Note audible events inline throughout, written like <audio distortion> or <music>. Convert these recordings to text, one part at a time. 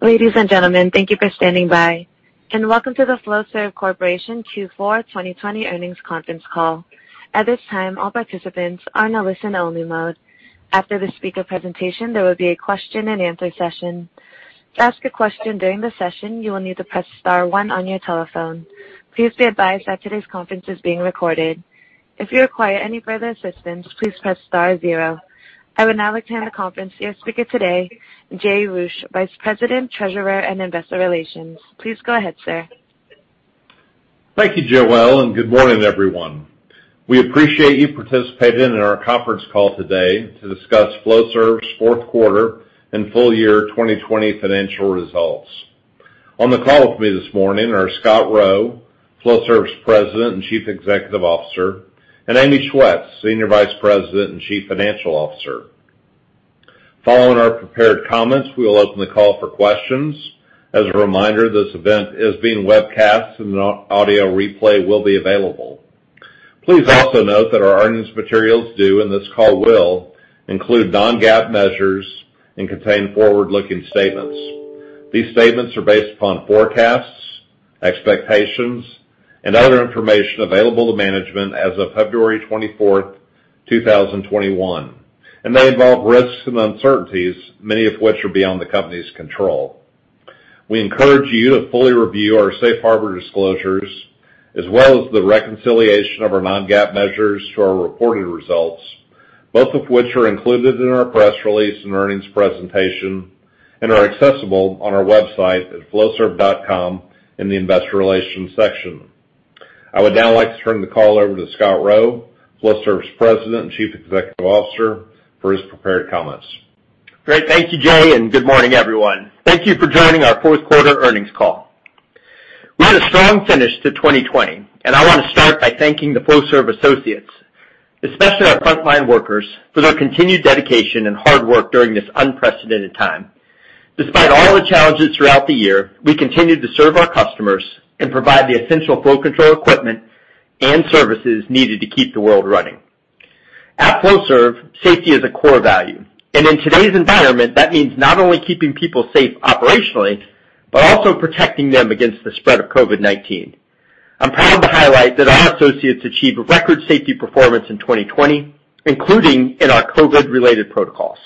Ladies and gentlemen, thank you for standing by, and welcome to the Flowserve Corporation Q4 2020 earnings conference call. At this time, all participants are in a listen-only mode. After the speaker presentation, there will be a question and answer session. To ask a question during the session, you will need to press star, one on your telephone. Please be advised that today's conference call is being recorded. If you acquire any further assistance, please press star, zero. I would now like to hand the conference to your speaker today, Jay Roueche, Vice President, Treasurer, and Investor Relations. Please go ahead, sir. Thank you, Joelle, and good morning, everyone. We appreciate you participating in our conference call today to discuss Flowserve's fourth quarter and full year 2020 financial results. On the call with me this morning are Scott Rowe, Flowserve's President and Chief Executive Officer, and Amy Schwetz, Senior Vice President and Chief Financial Officer. Following our prepared comments, we will open the call for questions. As a reminder, this event is being webcast and an audio replay will be available. Please also note that our earnings materials do and this call will include non-GAAP measures and contain forward-looking statements. These statements are based upon forecasts, expectations, and other information available to management as of February 24th, 2021, and they involve risks and uncertainties, many of which are beyond the company's control. We encourage you to fully review our safe harbor disclosures as well as the reconciliation of our non-GAAP measures to our reported results, both of which are included in our press release and earnings presentation and are accessible on our website at flowserve.com in the investor relations section. I would now like to turn the call over to Scott Rowe, Flowserve's President and Chief Executive Officer, for his prepared comments. Great. Thank you, Jay, and good morning, everyone. Thank you for joining our fourth quarter earnings call. We had a strong finish to 2020, and I want to start by thanking the Flowserve associates, especially our frontline workers, for their continued dedication and hard work during this unprecedented time. Despite all the challenges throughout the year, we continued to serve our customers and provide the essential flow control equipment and services needed to keep the world running. At Flowserve, safety is a core value, and in today's environment, that means not only keeping people safe operationally, but also protecting them against the spread of COVID-19. I'm proud to highlight that our associates achieved record safety performance in 2020, including in our COVID-related protocols.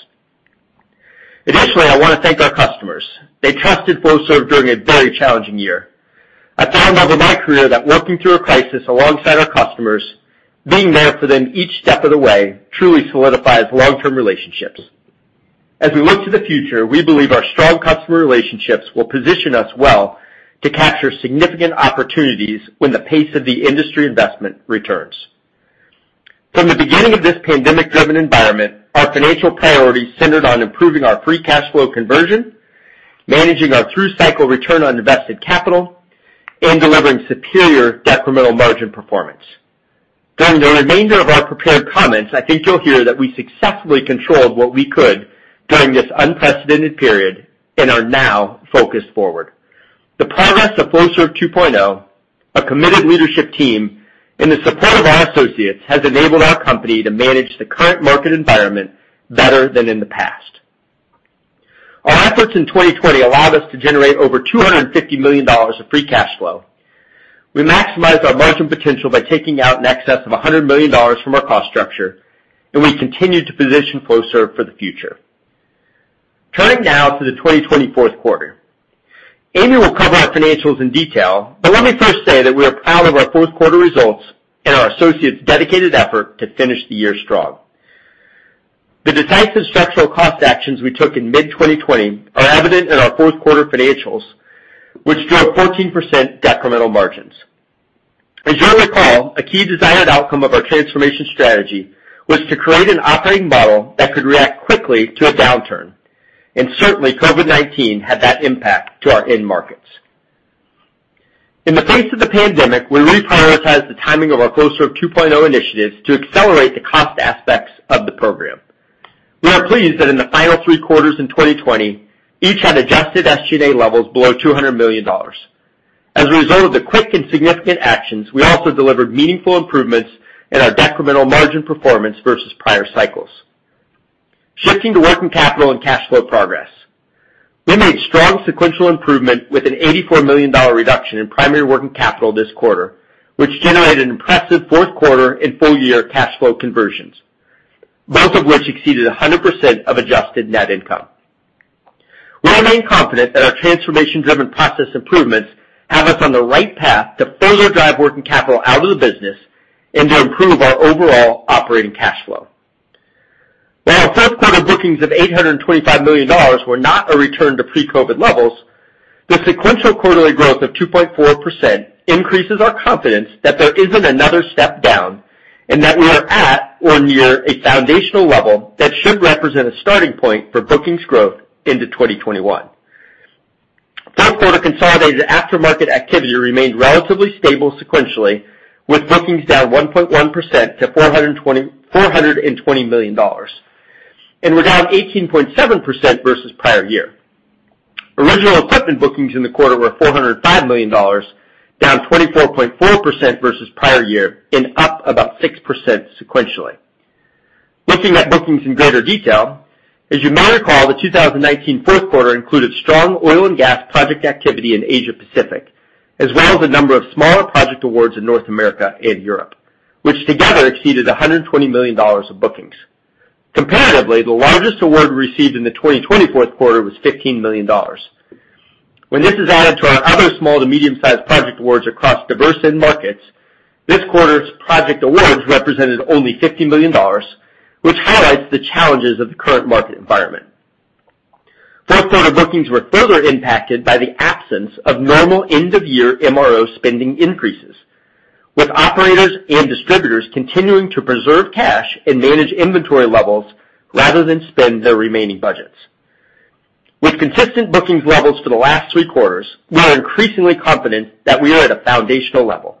Additionally, I want to thank our customers. They trusted Flowserve during a very challenging year. I found over my career that working through a crisis alongside our customers, being there for them each step of the way, truly solidifies long-term relationships. As we look to the future, we believe our strong customer relationships will position us well to capture significant opportunities when the pace of the industry investment returns. From the beginning of this pandemic-driven environment, our financial priorities centered on improving our free cash flow conversion, managing our through-cycle return on invested capital, and delivering superior decremental margin performance. During the remainder of our prepared comments, I think you'll hear that we successfully controlled what we could during this unprecedented period and are now focused forward. The progress of Flowserve 2.0, a committed leadership team, and the support of our associates has enabled our company to manage the current market environment better than in the past. Our efforts in 2020 allowed us to generate over $250 million of free cash flow. We maximized our margin potential by taking out in excess of $100 million from our cost structure. We continue to position Flowserve for the future. Turning now to the 2020 fourth quarter. Amy will cover our financials in detail. Let me first say that we are proud of our fourth quarter results and our associates' dedicated effort to finish the year strong. The decisive structural cost actions we took in mid-2020 are evident in our fourth quarter financials, which drove 14% decremental margins. As you'll recall, a key desired outcome of our transformation strategy was to create an operating model that could react quickly to a downturn. Certainly COVID-19 had that impact to our end markets. In the face of the pandemic, we reprioritized the timing of our Flowserve 2.0 initiatives to accelerate the cost aspects of the program. We are pleased that in the final three quarters in 2020, each had adjusted SG&A levels below $200 million. As a result of the quick and significant actions, we also delivered meaningful improvements in our decremental margin performance versus prior cycles. Shifting to working capital and cash flow progress. We made strong sequential improvement with an $84 million reduction in primary working capital this quarter, which generated an impressive fourth quarter and full-year cash flow conversions, both of which exceeded 100% of adjusted net income. We remain confident that our transformation-driven process improvements have us on the right path to further drive working capital out of the business and to improve our overall operating cash flow. While our fourth quarter bookings of $825 million were not a return to pre-COVID-19 levels, the sequential quarterly growth of 2.4% increases our confidence that there isn't another step down and that we are at or near a foundational level that should represent a starting point for bookings growth into 2021. Fourth quarter consolidated aftermarket activity remained relatively stable sequentially, with bookings down 1.1% to $420 million and were down 18.7% versus prior year. Original equipment bookings in the quarter were $405 million, down 24.4% versus prior year and up about 6% sequentially. Looking at bookings in greater detail, as you may recall, the 2019 fourth quarter included strong oil and gas project activity in Asia Pacific, as well as a number of smaller project awards in North America and Europe, which together exceeded $120 million of bookings. Comparatively, the largest award received in the 2020 fourth quarter was $15 million. When this is added to our other small to medium-sized project awards across diverse end markets, this quarter's project awards represented only $50 million, which highlights the challenges of the current market environment. <audio distortion> bookings were further impacted by the absence of normal end-of-year MRO spending increases, with operators and distributors continuing to preserve cash and manage inventory levels rather than spend their remaining budgets. With consistent bookings levels for the last three quarters, we are increasingly confident that we are at a foundational level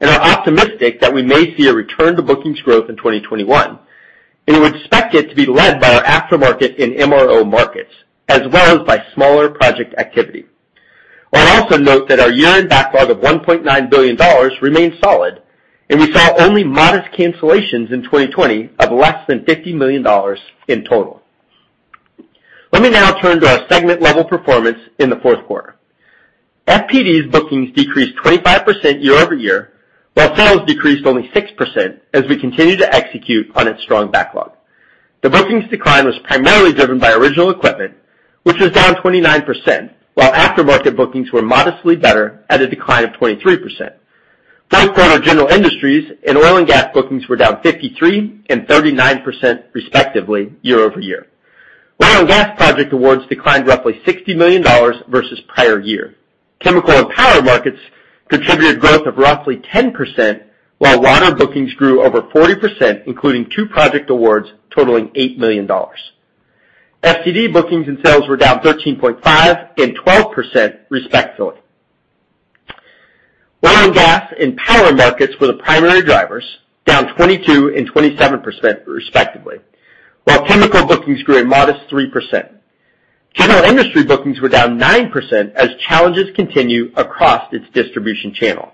and are optimistic that we may see a return to bookings growth in 2021, and would expect it to be led by our aftermarket and MRO markets, as well as by smaller project activity. I'll also note that our year-end backlog of $1.9 billion remains solid, and we saw only modest cancellations in 2020 of less than $50 million in total. Let me now turn to our segment level performance in the fourth quarter. FPD's bookings decreased 25% year-over-year, while sales decreased only 6% as we continue to execute on its strong backlog. The bookings decline was primarily driven by original equipment, which was down 29%, while aftermarket bookings were modestly better at a decline of 23%. Fourth quarter general industries and oil and gas bookings were down 53% and 39% respectively year-over-year. Oil and gas project awards declined roughly $60 million versus prior year. Chemical and power markets contributed growth of roughly 10%, while water bookings grew over 40%, including two project awards totaling $8 million. FCD bookings and sales were down 13.5% and 12% respectively. Oil and gas and power markets were the primary drivers, down 22% and 27% respectively, while chemical bookings grew a modest 3%. General industry bookings were down 9% as challenges continue across its distribution channel.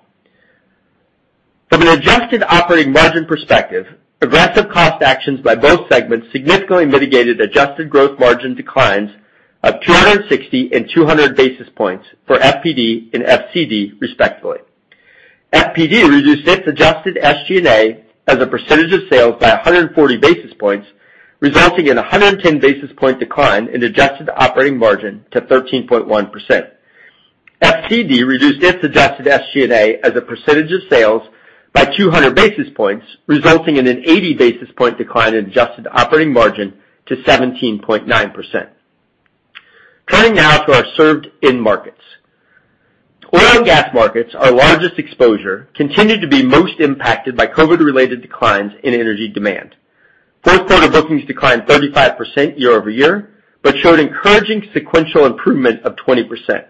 From an adjusted operating margin perspective, aggressive cost actions by both segments significantly mitigated adjusted gross margin declines of 260 and 200 basis points for FPD and FCD respectively. FPD reduced its adjusted SG&A as a percentage of sales by 140 basis points, resulting in 110 basis point decline in adjusted operating margin to 13.1%. FCD reduced its adjusted SG&A as a percentage of sales by 200 basis points, resulting in an 80 basis point decline in adjusted operating margin to 17.9%. Turning now to our served end markets. Oil and gas markets, our largest exposure, continued to be most impacted by COVID-19-related declines in energy demand. Fourth quarter bookings declined 35% year-over-year, but showed encouraging sequential improvement of 20%.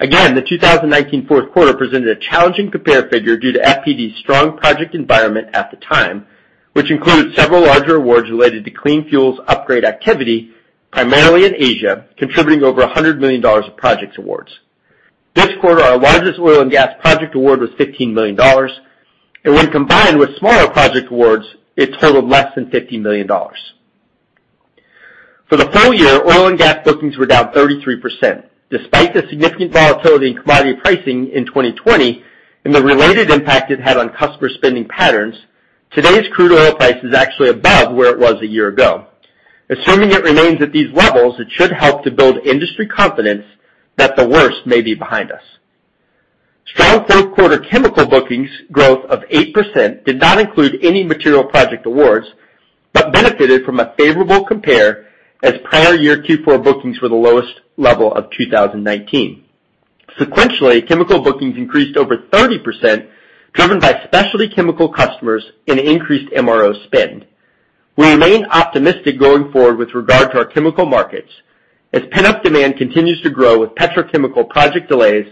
Again, the 2019 fourth quarter presented a challenging compare figure due to FPD's strong project environment at the time, which included several larger awards related to clean fuels upgrade activity, primarily in Asia, contributing over $100 million of projects awards. This quarter, our largest oil and gas project award was $15 million, and when combined with smaller project awards, it totaled less than $50 million. For the full year, oil and gas bookings were down 33%. Despite the significant volatility in commodity pricing in 2020 and the related impact it had on customer spending patterns, today's crude oil price is actually above where it was a year ago. Assuming it remains at these levels, it should help to build industry confidence that the worst may be behind us. Strong fourth quarter chemical bookings growth of 8% did not include any material project awards, but benefited from a favorable compare as prior year Q4 bookings were the lowest level of 2019. Sequentially, chemical bookings increased over 30%, driven by specialty chemical customers and increased MRO spend. We remain optimistic going forward with regard to our chemical markets as pent-up demand continues to grow with petrochemical project delays,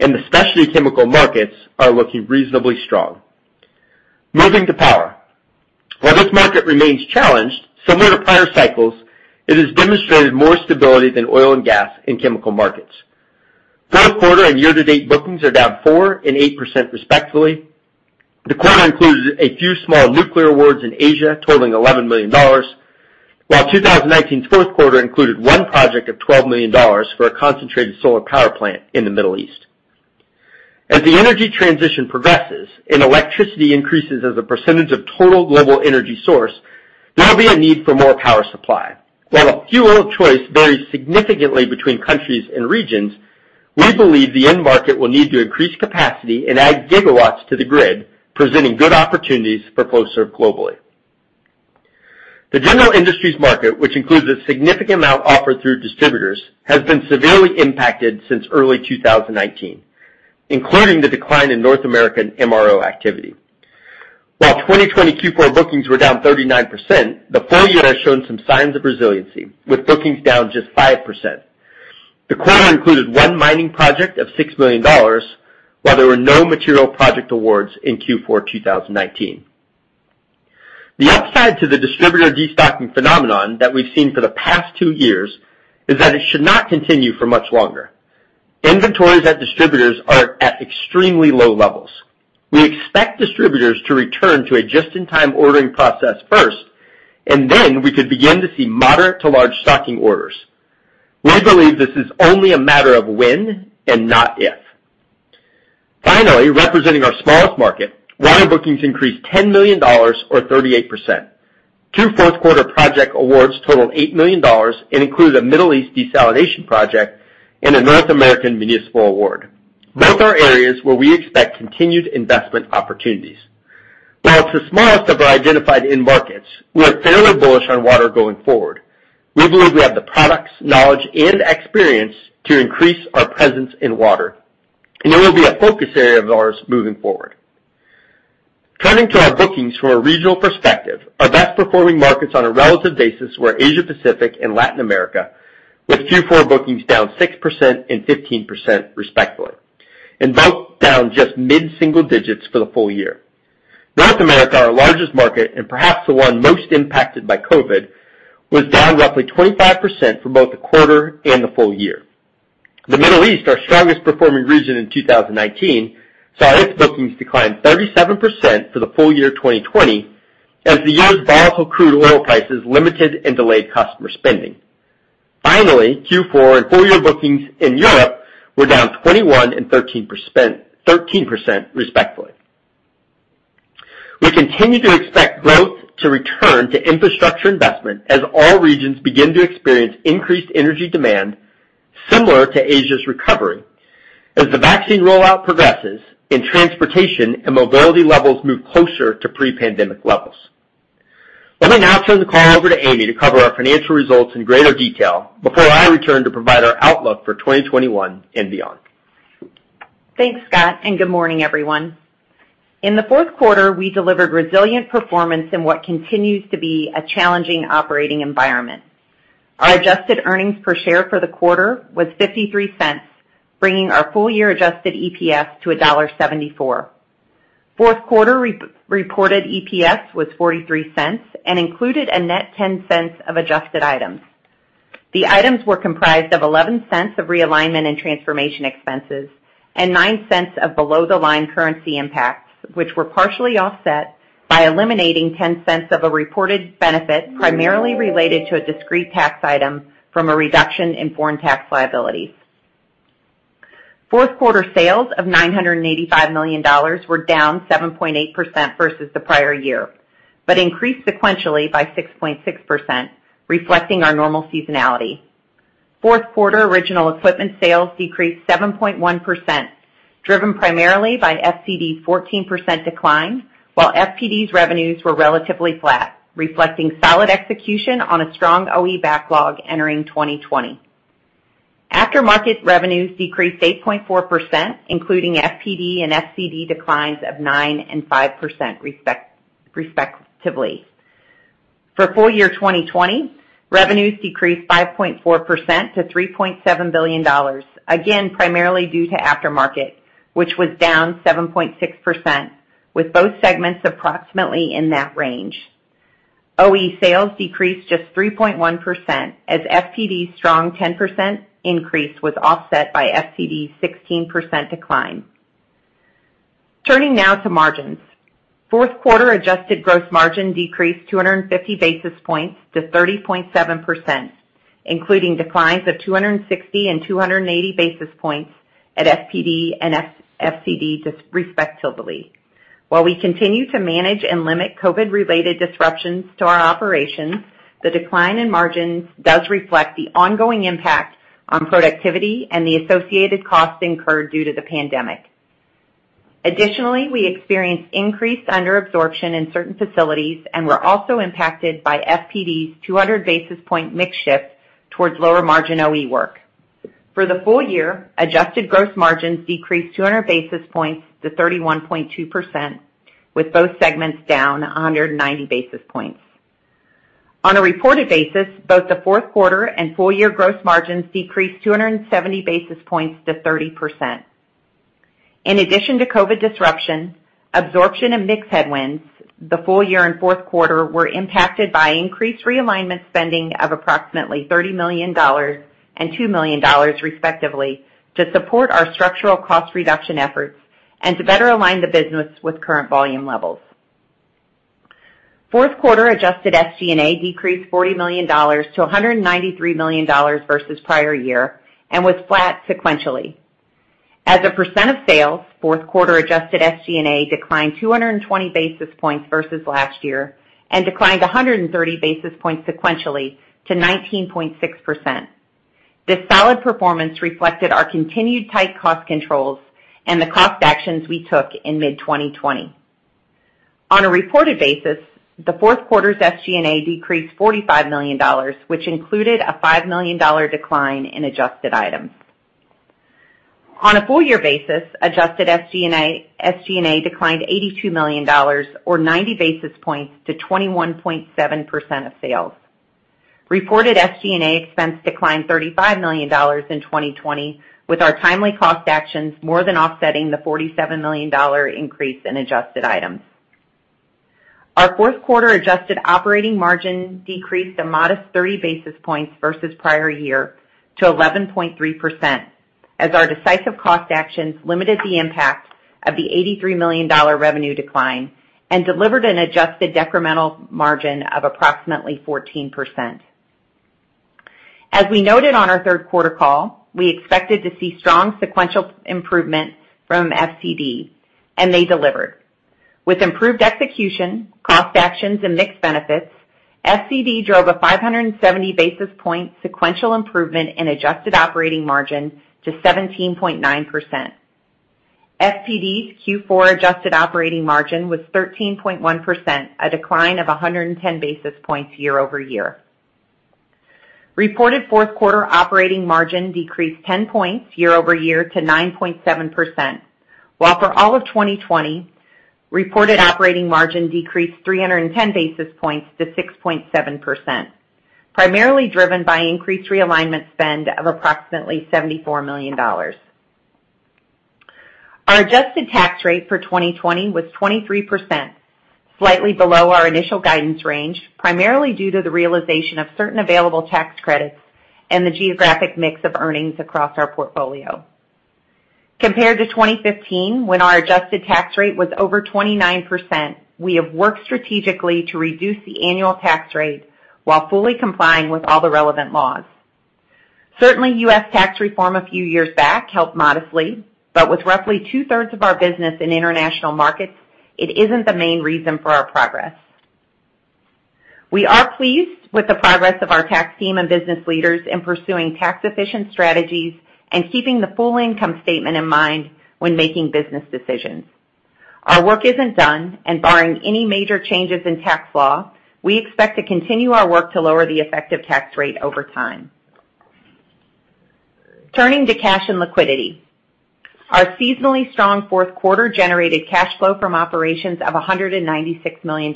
and the specialty chemical markets are looking reasonably strong. Moving to power. While this market remains challenged, similar to prior cycles, it has demonstrated more stability than oil and gas and chemical markets. Fourth quarter and year-to-date bookings are down 4% and 8% respectfully. The quarter includes a few small nuclear awards in Asia totaling $11 million, while 2019's fourth quarter included one project of $12 million for a concentrated solar power plant in the Middle East. As the energy transition progresses and electricity increases as a percentage of total global energy source, there will be a need for more power supply. While the fuel of choice varies significantly between countries and regions, we believe the end market will need to increase capacity and add gigawatts to the grid, presenting good opportunities for Flowserve globally. The general industries market, which includes a significant amount offered through distributors, has been severely impacted since early 2019, including the decline in North American MRO activity. While 2020 Q4 bookings were down 39%, the full year has shown some signs of resiliency, with bookings down just 5%. The quarter included one mining project of $6 million, while there were no material project awards in Q4 2019. The upside to the distributor destocking phenomenon that we've seen for the past two years is that it should not continue for much longer. Inventories at distributors are at extremely low levels. We expect distributors to return to a just-in-time ordering process first, and then we could begin to see moderate to large stocking orders. We believe this is only a matter of when and not if. Finally, representing our smallest market, water bookings increased $10 million or 38%. Q4 quarter project awards totaled $8 million and included a Middle East desalination project and a North American municipal award. Both are areas where we expect continued investment opportunities. While it's the smallest of our identified end markets, we are fairly bullish on water going forward. We believe we have the products, knowledge, and experience to increase our presence in water, and it will be a focus area of ours moving forward. Turning to our bookings from a regional perspective, our best performing markets on a relative basis were Asia Pacific and Latin America, with Q4 bookings down 6% and 15%, respectively, and both down just mid-single digits for the full year. North America, our largest market and perhaps the one most impacted by COVID-19, was down roughly 25% for both the quarter and the full year. The Middle East, our strongest performing region in 2019, saw its bookings decline 37% for the full year 2020 as the year's volatile crude oil prices limited and delayed customer spending. Q4 and full-year bookings in Europe were down 21% and 13%, respectively. We continue to expect growth to return to infrastructure investment as all regions begin to experience increased energy demand, similar to Asia's recovery as the vaccine rollout progresses and transportation and mobility levels move closer to pre-pandemic levels. Let me now turn the call over to Amy to cover our financial results in greater detail before I return to provide our outlook for 2021 and beyond. Thanks, Scott. Good morning, everyone. In the fourth quarter, we delivered resilient performance in what continues to be a challenging operating environment. Our adjusted earnings per share for the quarter was $0.53, bringing our full-year adjusted EPS to $1.74. Fourth quarter reported EPS was $0.43 and included a net $0.10 of adjusted items. The items were comprised of $0.11 of realignment and transformation expenses and $0.09 of below-the-line currency impacts, which were partially offset by eliminating $0.10 of a reported benefit primarily related to a discrete tax item from a reduction in foreign tax liabilities. Fourth quarter sales of $985 million were down 7.8% versus the prior year, but increased sequentially by 6.6%, reflecting our normal seasonality. Fourth quarter original equipment sales decreased 7.1%, driven primarily by FCD 14% decline, while FPD's revenues were relatively flat, reflecting solid execution on a strong OE backlog entering 2020. Aftermarket revenues decreased 8.4%, including FPD and FCD declines of 9% and 5%, respectively. For full-year 2020, revenues decreased 5.4% to $3.7 billion, again, primarily due to aftermarket, which was down 7.6%, with both segments approximately in that range. OE sales decreased just 3.1% as FPD's strong 10% increase was offset by FCD's 16% decline. Turning now to margins. Fourth quarter adjusted gross margin decreased 250 basis points to 30.7%, including declines of 260 and 280 basis points at FPD and FCD respectively. While we continue to manage and limit COVID-related disruptions to our operations, the decline in margins does reflect the ongoing impact on productivity and the associated costs incurred due to the pandemic. Additionally, we experienced increased under-absorption in certain facilities and were also impacted by FPD's 200 basis point mix shift towards lower margin OE work. For the full year, adjusted gross margins decreased 200 basis points to 31.2%, with both segments down 190 basis points. On a reported basis, both the fourth quarter and full-year gross margins decreased 270 basis points to 30%. In addition to COVID disruption, absorption and mix headwinds, the full year and fourth quarter were impacted by increased realignment spending of approximately $30 million and $2 million respectively to support our structural cost reduction efforts and to better align the business with current volume levels. Fourth quarter adjusted SG&A decreased $40 million-$193 million versus prior year and was flat sequentially. As a percent of sales, fourth quarter adjusted SG&A declined 220 basis points versus last year and declined 130 basis points sequentially to 19.6%. This solid performance reflected our continued tight cost controls and the cost actions we took in mid-2020. On a reported basis, the fourth quarter's SG&A decreased $45 million, which included a $5 million decline in adjusted items. On a full-year basis, adjusted SG&A declined $82 million or 90 basis points to 21.7% of sales. Reported SG&A expense declined $35 million in 2020, with our timely cost actions more than offsetting the $47 million increase in adjusted items. Our fourth quarter adjusted operating margin decreased a modest 30 basis points versus prior year to 11.3%, as our decisive cost actions limited the impact of the $83 million revenue decline and delivered an adjusted decremental margin of approximately 14%. As we noted on our third quarter call, we expected to see strong sequential improvement from FCD, and they delivered. With improved execution, cost actions, and mixed benefits, FCD drove a 570 basis points sequential improvement in adjusted operating margin to 17.9%. FCD's Q4 adjusted operating margin was 13.1%, a decline of 110 basis points year-over-year. Reported fourth quarter operating margin decreased 10 points year-over-year to 9.7%, while for all of 2020, reported operating margin decreased 310 basis points to 6.7%, primarily driven by increased realignment spend of approximately $74 million. Our adjusted tax rate for 2020 was 23%, slightly below our initial guidance range, primarily due to the realization of certain available tax credits and the geographic mix of earnings across our portfolio. Compared to 2015, when our adjusted tax rate was over 29%, we have worked strategically to reduce the annual tax rate while fully complying with all the relevant laws. Certainly, U.S. tax reform a few years back helped modestly, but with roughly two-thirds of our business in international markets, it isn't the main reason for our progress. We are pleased with the progress of our tax team and business leaders in pursuing tax-efficient strategies and keeping the full income statement in mind when making business decisions. Our work isn't done, and barring any major changes in tax law, we expect to continue our work to lower the effective tax rate over time. Turning to cash and liquidity. Our seasonally strong fourth quarter generated cash flow from operations of $196 million,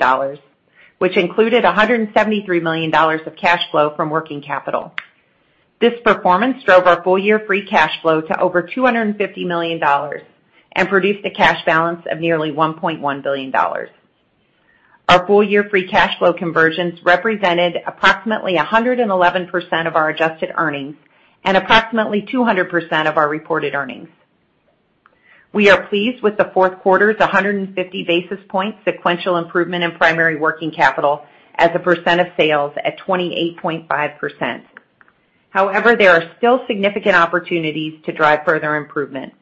which included $173 million of cash flow from working capital. This performance drove our full-year free cash flow to over $250 million and produced a cash balance of nearly $1.1 billion. Our full-year free cash flow conversions represented approximately 111% of our adjusted earnings and approximately 200% of our reported earnings. We are pleased with the fourth quarter's 150 basis point sequential improvement in primary working capital as a percent of sales at 28.5%. However, there are still significant opportunities to drive further improvement.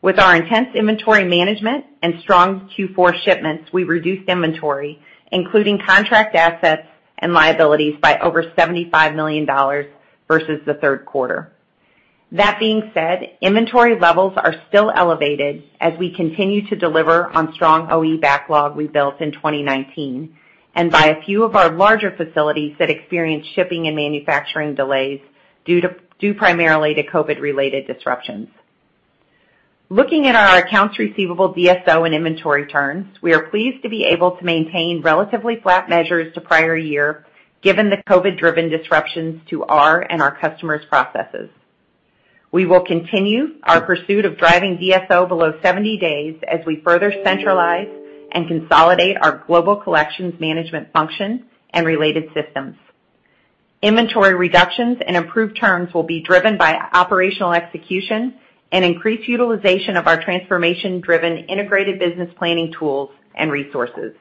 With our intense inventory management and strong Q4 shipments, we reduced inventory, including contract assets and liabilities, by over $75 million versus the third quarter. That being said, inventory levels are still elevated as we continue to deliver on strong OE backlog we built in 2019 and by a few of our larger facilities that experienced shipping and manufacturing delays due primarily to COVID-related disruptions. Looking at our accounts receivable DSO and inventory turns, we are pleased to be able to maintain relatively flat measures to prior year, given the COVID-driven disruptions to our and our customers' processes. We will continue our pursuit of driving DSO below 70 days as we further centralize and consolidate our global collections management function and related systems. Inventory reductions and improved turns will be driven by operational execution and increased utilization of our transformation-driven integrated business planning tools and resources.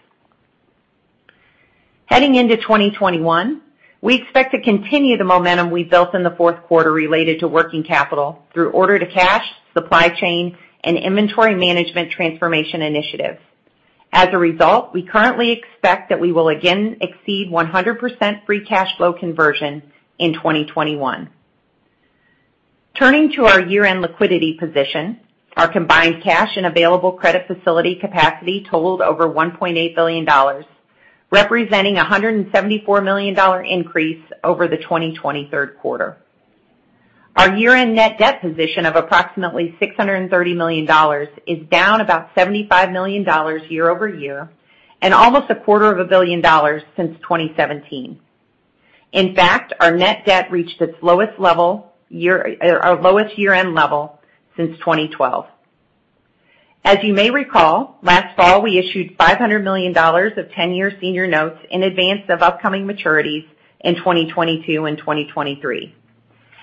Heading into 2021, we expect to continue the momentum we built in the fourth quarter related to working capital through order-to-cash, supply chain, and inventory management transformation initiatives. As a result, we currently expect that we will again exceed 100% free cash flow conversion in 2021. Turning to our year-end liquidity position, our combined cash and available credit facility capacity totaled over $1.8 billion, representing a $174 million increase over the 2020 third quarter. Our year-end net debt position of approximately $630 million is down about $75 million year-over-year and almost a quarter of a billion dollars since 2017. In fact, our net debt reached our lowest year-end level since 2012. As you may recall, last fall, we issued $500 million of 10-year senior notes in advance of upcoming maturities in 2022 and 2023.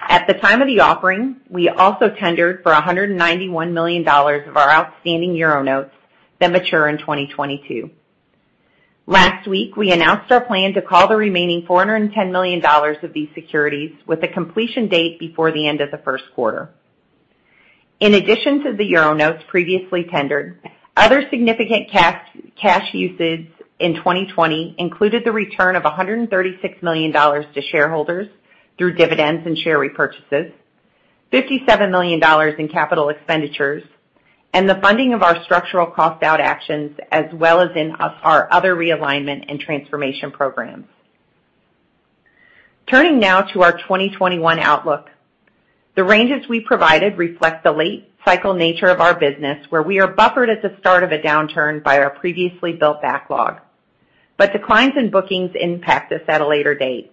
At the time of the offering, we also tendered for $191 million of our outstanding euro notes that mature in 2022. Last week, we announced our plan to call the remaining $410 million of these securities with a completion date before the end of the first quarter. In addition to the euro notes previously tendered, other significant cash usage in 2020 included the return of $136 million to shareholders through dividends and share repurchases, $57 million in capital expenditures, and the funding of our structural cost-out actions, as well as in our other realignment and transformation programs. Turning now to our 2021 outlook. The ranges we provided reflect the late cycle nature of our business, where we are buffered at the start of a downturn by our previously built backlog. Declines in bookings impact us at a later date.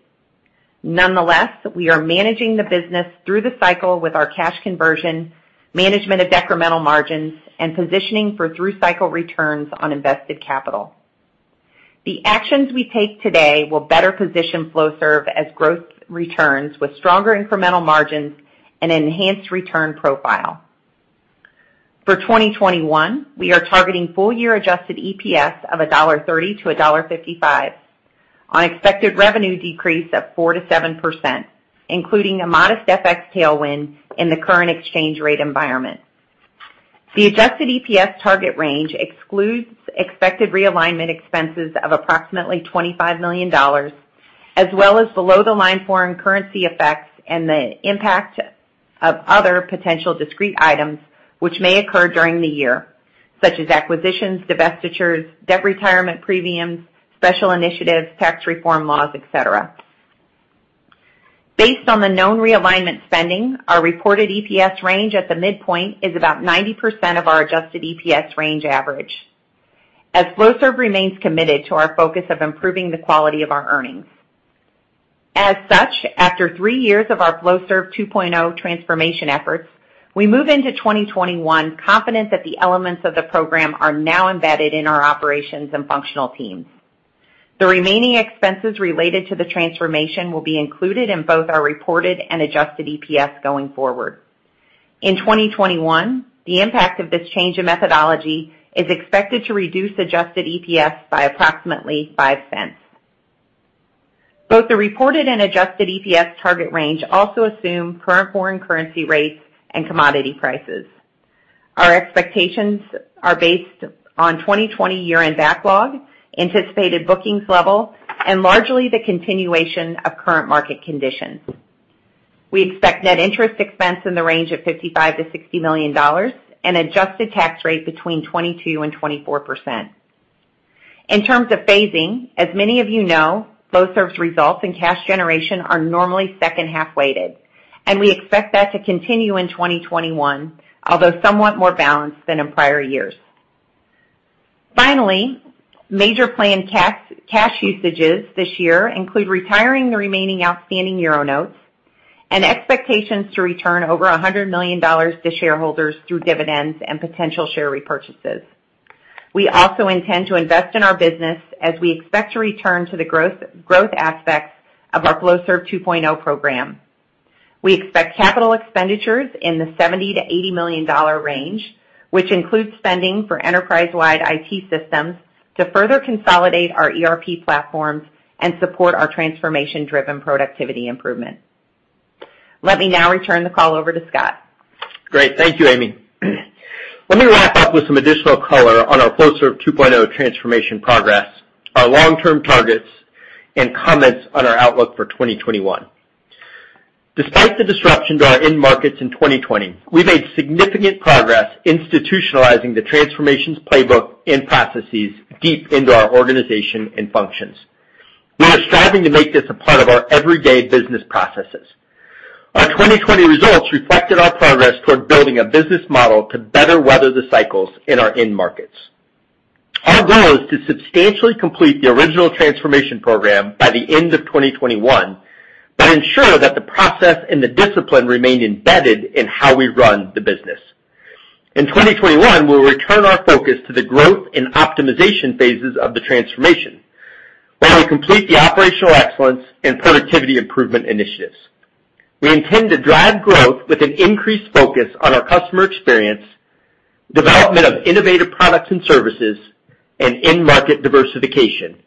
Nonetheless, we are managing the business through the cycle with our cash conversion, management of decremental margins, and positioning for through-cycle returns on invested capital. The actions we take today will better position Flowserve as growth returns with stronger incremental margins and enhanced return profile. For 2021, we are targeting full-year adjusted EPS of $1.30-$1.55 on expected revenue decrease of 4%-7%, including a modest FX tailwind in the current exchange rate environment. The adjusted EPS target range excludes expected realignment expenses of approximately $25 million, as well as below-the-line foreign currency effects and the impact of other potential discrete items which may occur during the year, such as acquisitions, divestitures, debt retirement premiums, special initiatives, tax reform laws, et cetera. Based on the known realignment spending, our reported EPS range at the midpoint is about 90% of our adjusted EPS range average as Flowserve remains committed to our focus of improving the quality of our earnings. As such, after three years of our Flowserve 2.0 transformation efforts, we move into 2021 confident that the elements of the program are now embedded in our operations and functional teams. The remaining expenses related to the transformation will be included in both our reported and adjusted EPS going forward. In 2021, the impact of this change in methodology is expected to reduce adjusted EPS by approximately $0.05. Both the reported and adjusted EPS target range also assume current foreign currency rates and commodity prices. Our expectations are based on 2020 year-end backlog, anticipated bookings level, and largely the continuation of current market conditions. We expect net interest expense in the range of $55 million-$60 million and adjusted tax rate between 22% and 24%. In terms of phasing, as many of you know, Flowserve's results and cash generation are normally second-half weighted, and we expect that to continue in 2021, although somewhat more balanced than in prior years. Finally, major planned cash usages this year include retiring the remaining outstanding euro notes and expectations to return over $100 million to shareholders through dividends and potential share repurchases. We also intend to invest in our business as we expect to return to the growth aspects of our Flowserve 2.0 program. We expect capital expenditures in the $70 million-$80 million range, which includes spending for enterprise-wide IT systems to further consolidate our ERP platforms and support our transformation-driven productivity improvement. Let me now return the call over to Scott. Great. Thank you, Amy. Let me wrap up with some additional color on our Flowserve 2.0 transformation progress, our long-term targets, and comments on our outlook for 2021. Despite the disruption to our end markets in 2020, we made significant progress institutionalizing the transformations playbook and processes deep into our organization and functions. We are striving to make this a part of our everyday business processes. Our 2020 results reflected our progress toward building a business model to better weather the cycles in our end markets. Our goal is to substantially complete the original transformation program by the end of 2021, but ensure that the process and the discipline remain embedded in how we run the business. In 2021, we'll return our focus to the growth and optimization phases of the transformation, where we complete the operational excellence and productivity improvement initiatives. We intend to drive growth with an increased focus on our customer experience, development of innovative products and services, and end-market diversification,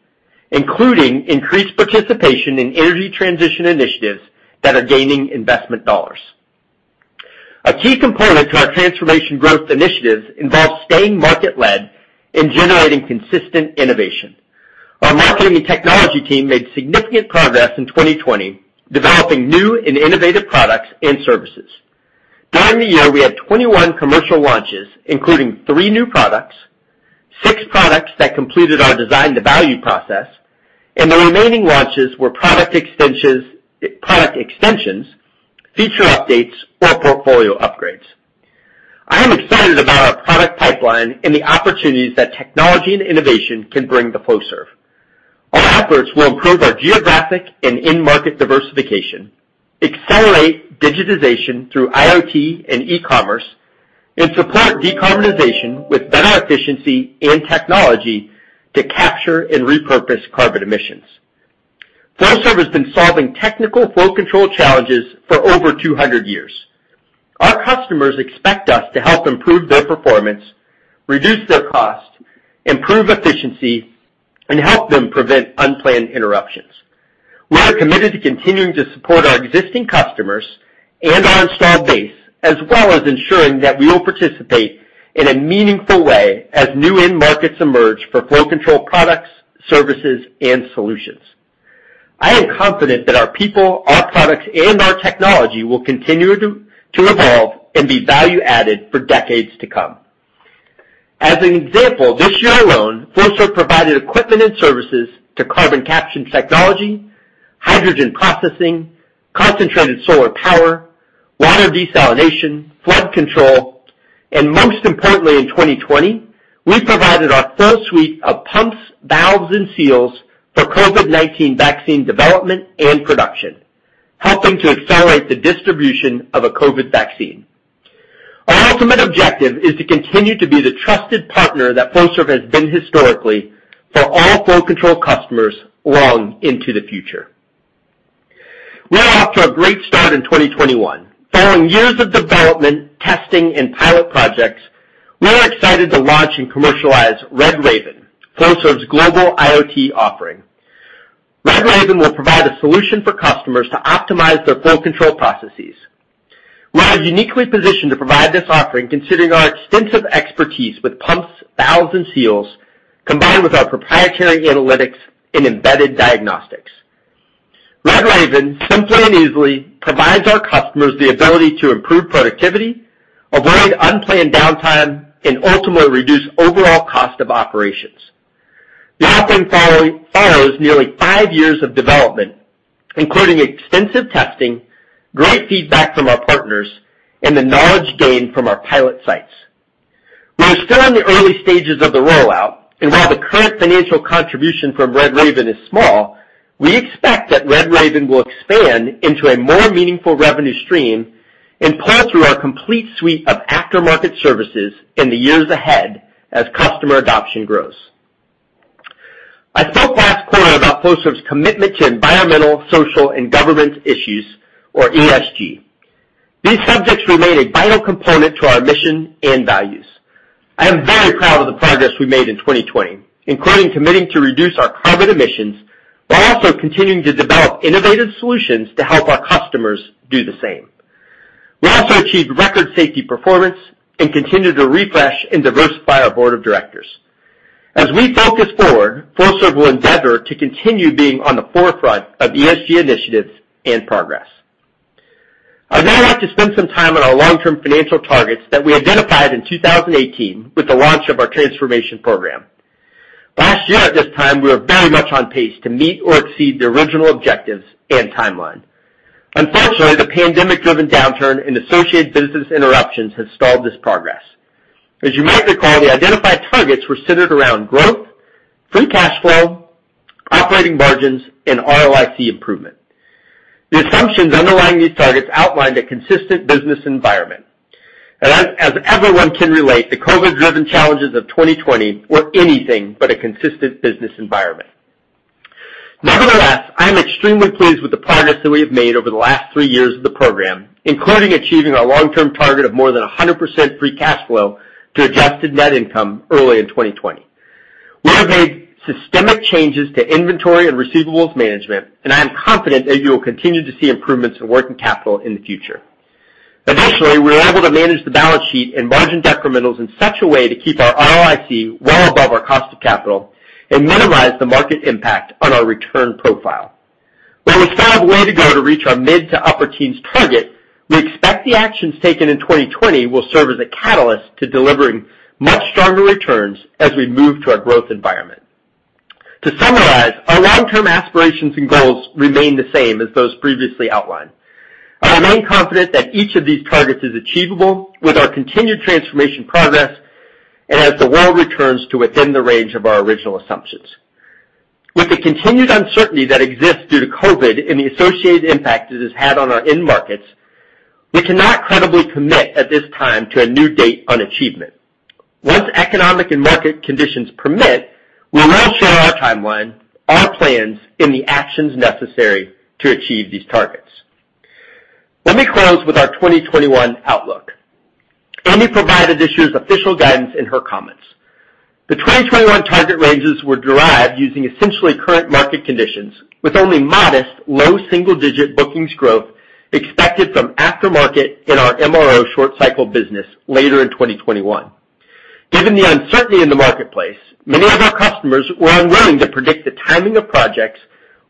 including increased participation in energy transition initiatives that are gaining investment dollars. A key component to our transformation growth initiatives involves staying market-led and generating consistent innovation. Our marketing and technology team made significant progress in 2020, developing new and innovative products and services. During the year, we had 21 commercial launches, including three new products, six products that completed our design-to-value process, and the remaining launches were product extensions, feature updates, or portfolio upgrades. I am excited about our product pipeline and the opportunities that technology and innovation can bring to Flowserve. Our efforts will improve our geographic and end market diversification, accelerate digitization through IoT and e-commerce, and support decarbonization with better efficiency and technology to capture and repurpose carbon emissions. Flowserve has been solving technical flow control challenges for over 200 years. Our customers expect us to help improve their performance, reduce their cost, improve efficiency, and help them prevent unplanned interruptions. We are committed to continuing to support our existing customers and our installed base, as well as ensuring that we will participate in a meaningful way as new end markets emerge for flow control products, services, and solutions. I am confident that our people, our products, and our technology will continue to evolve and be value added for decades to come. As an example, this year alone, Flowserve provided equipment and services to carbon capture technology, hydrogen processing, concentrated solar power, water desalination, flood control. Most importantly, in 2020, we provided our full suite of pumps, valves, and seals for COVID-19 vaccine development and production, helping to accelerate the distribution of a COVID vaccine. Our ultimate objective is to continue to be the trusted partner that Flowserve has been historically for all flow control customers long into the future. We are off to a great start in 2021. Following years of development, testing, and pilot projects, we are excited to launch and commercialize RedRaven, Flowserve's global IoT offering. RedRaven will provide a solution for customers to optimize their flow control processes. We are uniquely positioned to provide this offering considering our extensive expertise with pumps, valves, and seals, combined with our proprietary analytics and embedded diagnostics. RedRaven simply and easily provides our customers the ability to improve productivity, avoid unplanned downtime, and ultimately reduce overall cost of operations. The offering follows nearly five years of development, including extensive testing, great feedback from our partners, and the knowledge gained from our pilot sites. We are still in the early stages of the rollout, and while the current financial contribution from RedRaven is small, we expect that RedRaven will expand into a more meaningful revenue stream and pull through our complete suite of aftermarket services in the years ahead as customer adoption grows. I spoke last quarter about Flowserve's commitment to environmental, social, and governance issues, or ESG. These subjects remain a vital component to our mission and values. I am very proud of the progress we made in 2020, including committing to reduce our carbon emissions, while also continuing to develop innovative solutions to help our customers do the same. We also achieved record safety performance and continued to refresh and diversify our board of directors. As we focus forward, Flowserve will endeavor to continue being on the forefront of ESG initiatives and progress. I'd now like to spend some time on our long-term financial targets that we identified in 2018 with the launch of our transformation program. Last year at this time, we were very much on pace to meet or exceed the original objectives and timeline. Unfortunately, the pandemic-driven downturn and associated business interruptions have stalled this progress. As you might recall, the identified targets were centered around growth, free cash flow, operating margins, and ROIC improvement. The assumptions underlying these targets outlined a consistent business environment. As everyone can relate, the COVID-19-driven challenges of 2020 were anything but a consistent business environment. Nevertheless, I am extremely pleased with the progress that we have made over the last three years of the program, including achieving our long-term target of more than 100% free cash flow to adjusted net income early in 2020. We have made systemic changes to inventory and receivables management, and I am confident that you will continue to see improvements in working capital in the future. Additionally, we were able to manage the balance sheet and margin decrementals in such a way to keep our ROIC well above our cost of capital and minimize the market impact on our return profile. While we still have a way to go to reach our mid to upper teens target, we expect the actions taken in 2020 will serve as a catalyst to delivering much stronger returns as we move to our growth environment. To summarize, our long-term aspirations and goals remain the same as those previously outlined. I remain confident that each of these targets is achievable with our continued transformation progress and as the world returns to within the range of our original assumptions. With the continued uncertainty that exists due to COVID and the associated impact it has had on our end markets, we cannot credibly commit at this time to a new date on achievement. Once economic and market conditions permit, we will share our timeline, our plans, and the actions necessary to achieve these targets. Let me close with our 2021 outlook. Amy provided this year's official guidance in her comments. The 2021 target ranges were derived using essentially current market conditions with only modest low single-digit bookings growth expected from aftermarket in our MRO short cycle business later in 2021. Given the uncertainty in the marketplace, many of our customers were unwilling to predict the timing of projects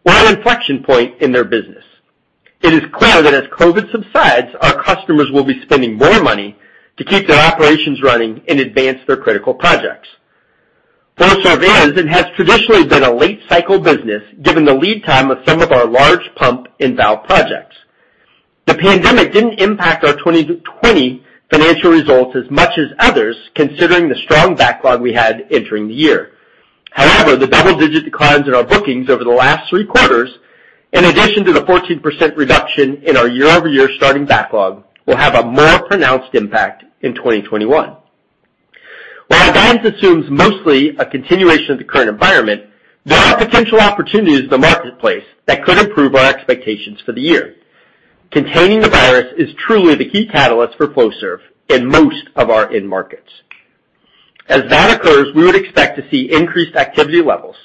or an inflection point in their business. It is clear that as COVID subsides, our customers will be spending more money to keep their operations running and advance their critical projects. Flowserve is and has traditionally been a late cycle business, given the lead time of some of our large pump and valve projects. The pandemic didn't impact our 2020 financial results as much as others, considering the strong backlog we had entering the year. However, the double-digit declines in our bookings over the last three quarters, in addition to the 14% reduction in our year-over-year starting backlog, will have a more pronounced impact in 2021. While our guidance assumes mostly a continuation of the current environment, there are potential opportunities in the marketplace that could improve our expectations for the year. Containing the virus is truly the key catalyst for Flowserve in most of our end markets. As that occurs, we would expect to see increased activity levels.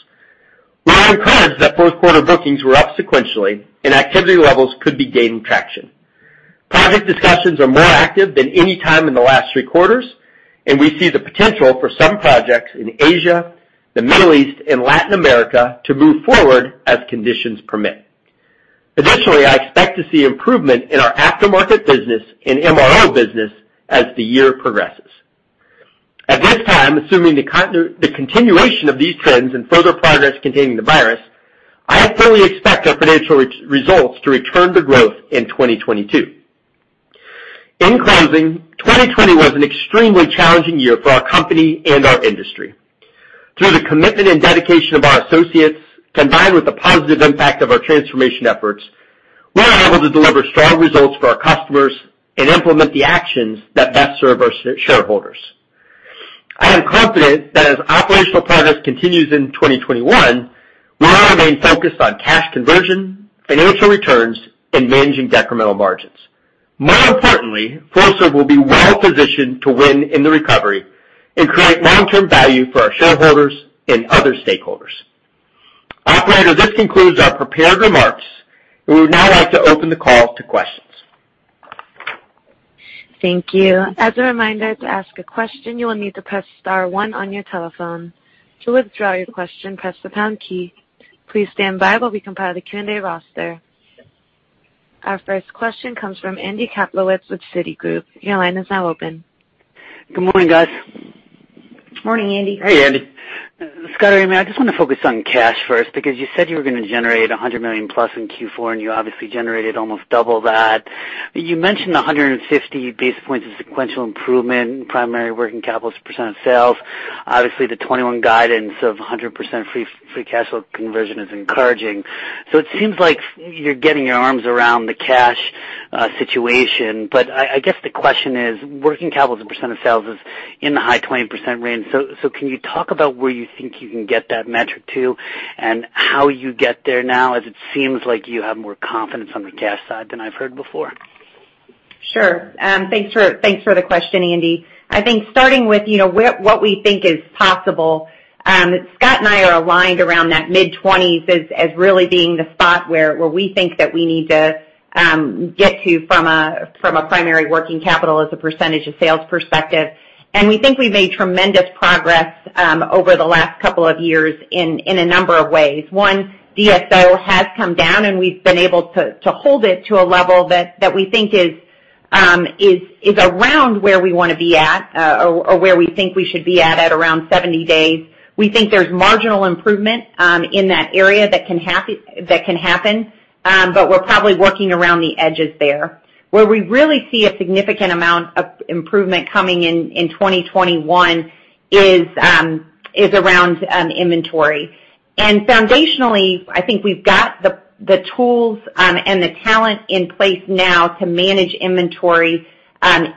We are encouraged that fourth quarter bookings were up sequentially and activity levels could be gaining traction. Project discussions are more active than any time in the last three quarters. We see the potential for some projects in Asia, the Middle East, and Latin America to move forward as conditions permit. Additionally, I expect to see improvement in our aftermarket business and MRO business as the year progresses. At this time, assuming the continuation of these trends and further progress containing the virus, I fully expect our financial results to return to growth in 2022. In closing, 2020 was an extremely challenging year for our company and our industry. Through the commitment and dedication of our associates, combined with the positive impact of our transformation efforts, we were able to deliver strong results for our customers and implement the actions that best serve our shareholders. I am confident that as operational progress continues in 2021, we will remain focused on cash conversion, financial returns, and managing decremental margins. More importantly, Flowserve will be well-positioned to win in the recovery and create long-term value for our shareholders and other stakeholders. Operator, this concludes our prepared remarks. We would now like to open the call to questions. Thank you. As a reminder, to ask a question, you will need to press star, one on your telephone. To withdraw your question, press the pound key. Please stand by while we compile the Q&A roster. Our first question comes from Andy Kaplowitz with Citigroup. Your line is now open. Good morning, guys. Morning, Andy. Hey, Andy. Scott, Amy, I just want to focus on cash first, because you said you were going to generate $100 million plus in Q4, and you obviously generated almost double that. You mentioned 150 basis points of sequential improvement in primary working capital as a percentage of sales. Obviously, the 2021 guidance of 100% free cash flow conversion is encouraging. It seems like you're getting your arms around the cash situation. I guess the question is, working capital as a percentage of sales is in the high 20% range. Can you talk about where you think you can get that metric to and how you get there now, as it seems like you have more confidence on the cash side than I've heard before? Sure. Thanks for the question, Andy. I think starting with what we think is possible. Scott and I are aligned around that mid-20s as really being the spot where we think that we need to get to from a primary working capital as a percentage of sales perspective. We think we've made tremendous progress over the last couple of years in a number of ways. One, DSO has come down, and we've been able to hold it to a level that we think is around where we want to be at or where we think we should be at around 70 days. We think there's marginal improvement in that area that can happen. We're probably working around the edges there. Where we really see a significant amount of improvement coming in 2021 is around inventory. Foundationally, I think we've got the tools and the talent in place now to manage inventory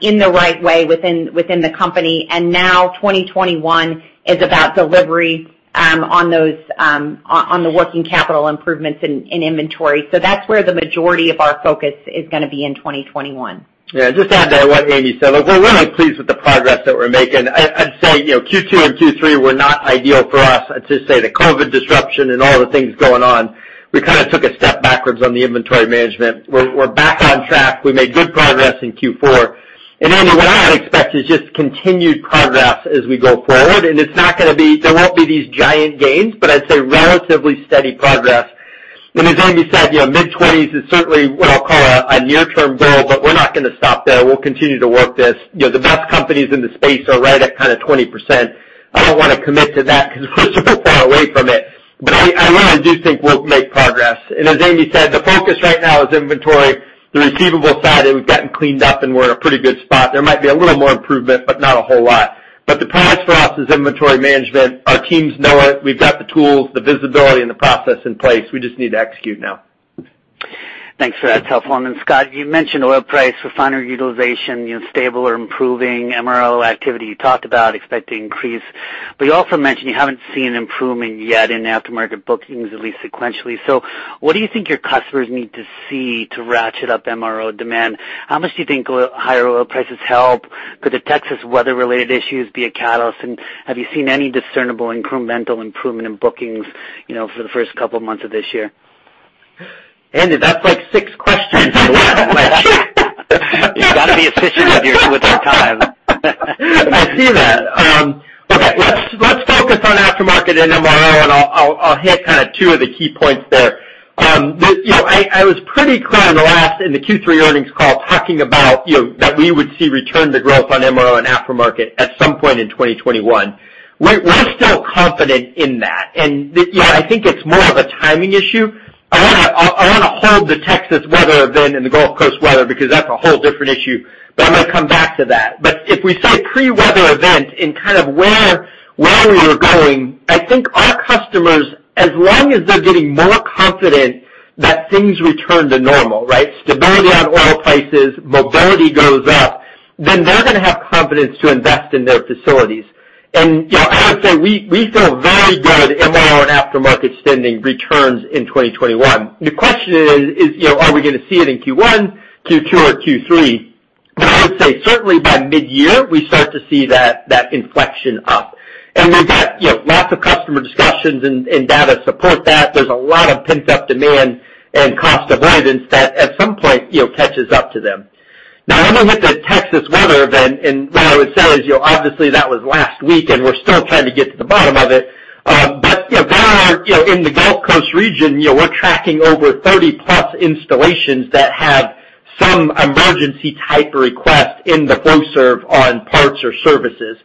in the right way within the company. Now 2021 is about delivery on the working capital improvements in inventory. That's where the majority of our focus is going to be in 2021. Yeah, just to add to what Amy said, we're really pleased with the progress that we're making. I'd say Q2 and Q3 were not ideal for us. I'd just say the COVID-19 disruption and all the things going on, we kind of took a step backwards on the inventory management. We're back on track, we made good progress in Q4. Andy, what I'd expect is just continued progress as we go forward, there won't be these giant gains, but I'd say relatively steady progress. As Amy said, mid-20s is certainly what I'll call a near-term goal, but we're not going to stop there, we'll continue to work this. The best companies in the space are right at kind of 20%, I don't want to commit to that because we're still far away from it. I really do think we'll make progress. As Amy said, the focus right now is inventory. The receivable side, it has gotten cleaned up, and we're in a pretty good spot, there might be a little more improvement, but not a whole lot. The prize for us is inventory management, our teams know it, we've got the tools, the visibility, and the process in place, we just need to execute now. Thanks for that, Scott. Scott, you mentioned oil price refiner utilization, stable or improving MRO activity you talked about, expect to increase. You also mentioned you haven't seen improvement yet in aftermarket bookings, at least sequentially. What do you think your customers need to see to ratchet up MRO demand? How much do you think higher oil prices help? Could the Texas weather-related issues be a catalyst? Have you seen any discernible incremental improvement in bookings for the first couple of months of this year? Andy, that's like six questions in one. You got to be efficient with your time. I see that. Okay. Let's focus on aftermarket and MRO, and I'll hit kind of two of the key points there. I was pretty clear in the Q3 earnings call talking about that we would see return to growth on MRO and aftermarket at some point in 2021. We're still confident in that, I think it's more of a timing issue. I want to hold the Texas weather event and the Gulf Coast weather because that's a whole different issue. I'm going to come back to that. If we say pre-weather event in kind of where we were going, I think our customers, as long as they're getting more confident that things return to normal, right? Stability on oil prices, mobility goes up, then they're going to have confidence to invest in their facilities. I would say we feel very good MRO and aftermarket spending returns in 2021. The question is, are we going to see it in Q1, Q2, or Q3? I would say certainly by mid-year, we start to see that inflection up. We've got lots of customer discussions and data to support that, there's a lot of pent-up demand and cost avoidance that at some point catches up to them. Now, let me hit the Texas weather event. What I would say is, obviously, that was last week, and we're still trying to get to the bottom of it. There are, in the Gulf Coast region, we're tracking over 30-plus installations that have some emergency type request in the Flowserve on parts or services.